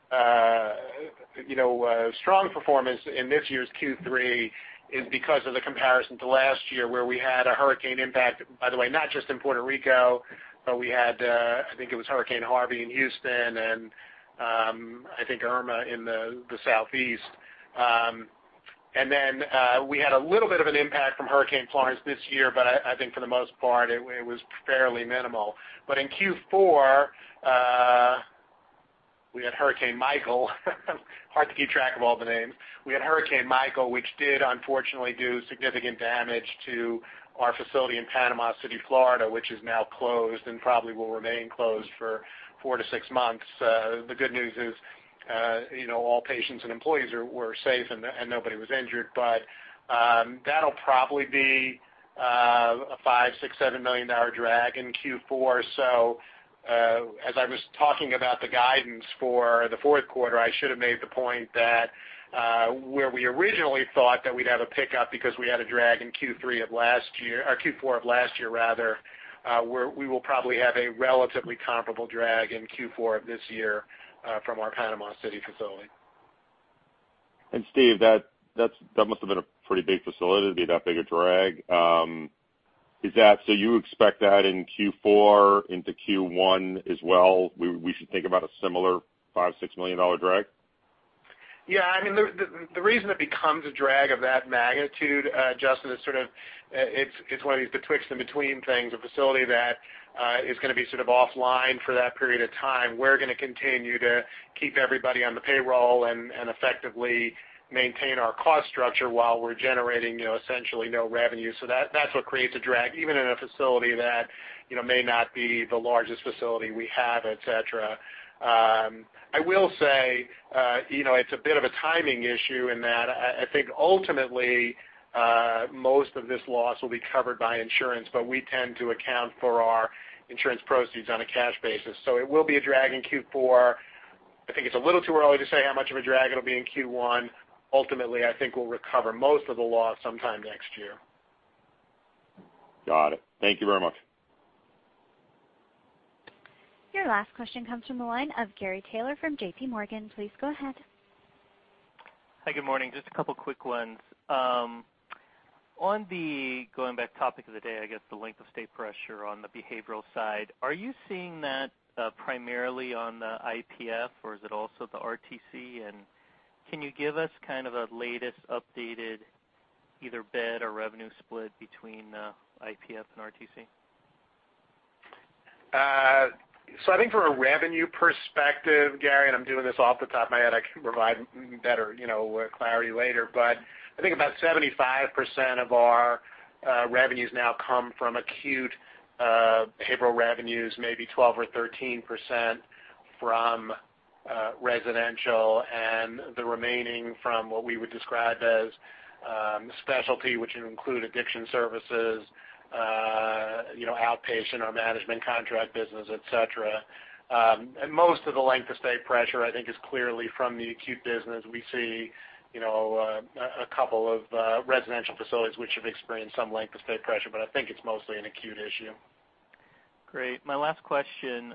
strong performance in this year's Q3 is because of the comparison to last year, where we had a hurricane impact, by the way, not just in Puerto Rico, but we had, I think it was Hurricane Harvey in Houston and, I think Irma in the Southeast. We had a little bit of an impact from Hurricane Florence this year, but I think for the most part, it was fairly minimal. In Q4, we had Hurricane Michael. Hard to keep track of all the names. We had Hurricane Michael, which did unfortunately do significant damage to our facility in Panama City, Florida, which is now closed and probably will remain closed for four to six months. The good news is all patients and employees were safe and nobody was injured. That'll probably be a $5, $6, $7 million drag in Q4. As I was talking about the guidance for the fourth quarter, I should have made the point that where we originally thought that we'd have a pickup because we had a drag in Q4 of last year, where we will probably have a relatively comparable drag in Q4 of this year from our Panama City facility. Steve, that must have been a pretty big facility to be that big a drag. You expect that in Q4 into Q1 as well, we should think about a similar $5, $6 million drag? Yeah. The reason it becomes a drag of that magnitude, Justin, it's one of these betwixt and between things, a facility that is going to be offline for that period of time. We're going to continue to keep everybody on the payroll and effectively maintain our cost structure while we're generating essentially no revenue. That's what creates a drag, even in a facility that may not be the largest facility we have, et cetera. I will say, it's a bit of a timing issue in that I think ultimately, most of this loss will be covered by insurance, but we tend to account for our insurance proceeds on a cash basis. It will be a drag in Q4. I think it's a little too early to say how much of a drag it'll be in Q1. Ultimately, I think we'll recover most of the loss sometime next year. Got it. Thank you very much. Your last question comes from the line of Gary Taylor from JPMorgan. Please go ahead. Hi, good morning. Just a couple of quick ones. Going back topic of the day, I guess the length of stay pressure on the behavioral side. Are you seeing that primarily on the IPF or is it also the RTC? Can you give us a latest updated either bed or revenue split between IPF and RTC? I think from a revenue perspective, Gary, I'm doing this off the top of my head, I can provide better clarity later, but I think about 75% of our revenues now come from acute behavioral revenues, maybe 12% or 13% from residential, and the remaining from what we would describe as specialty, which would include addiction services, outpatient or management contract business, et cetera. Most of the length of stay pressure, I think, is clearly from the acute business. We see a couple of residential facilities which have experienced some length of stay pressure, but I think it's mostly an acute issue. Great. My last question,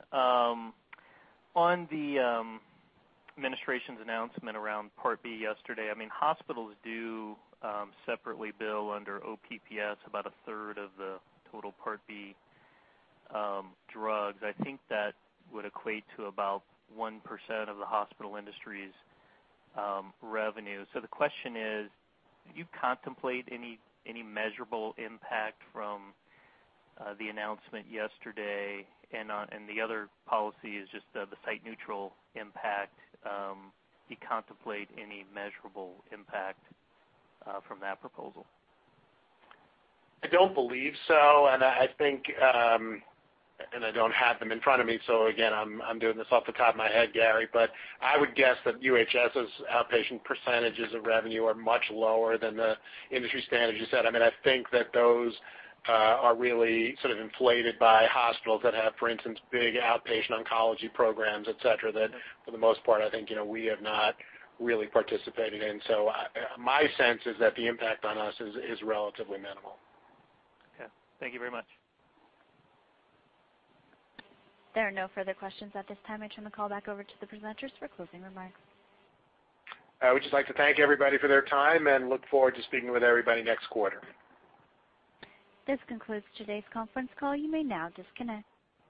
on the administration's announcement around Part B yesterday, hospitals do separately bill under OPPS about a third of the total Part B drugs. I think that would equate to about 1% of the hospital industry's revenue. The question is, do you contemplate any measurable impact from the announcement yesterday and the other policy is just the site-neutral impact. Do you contemplate any measurable impact from that proposal? I don't believe so, I don't have them in front of me, again, I'm doing this off the top of my head, Gary, but I would guess that UHS's outpatient percentages of revenue are much lower than the industry standard, as you said. I think that those are really inflated by hospitals that have, for instance, big outpatient oncology programs, et cetera, that for the most part, I think, we have not really participated in. My sense is that the impact on us is relatively minimal. Okay. Thank you very much. There are no further questions at this time. I turn the call back over to the presenters for closing remarks. I would just like to thank everybody for their time and look forward to speaking with everybody next quarter. This concludes today's conference call. You may now disconnect.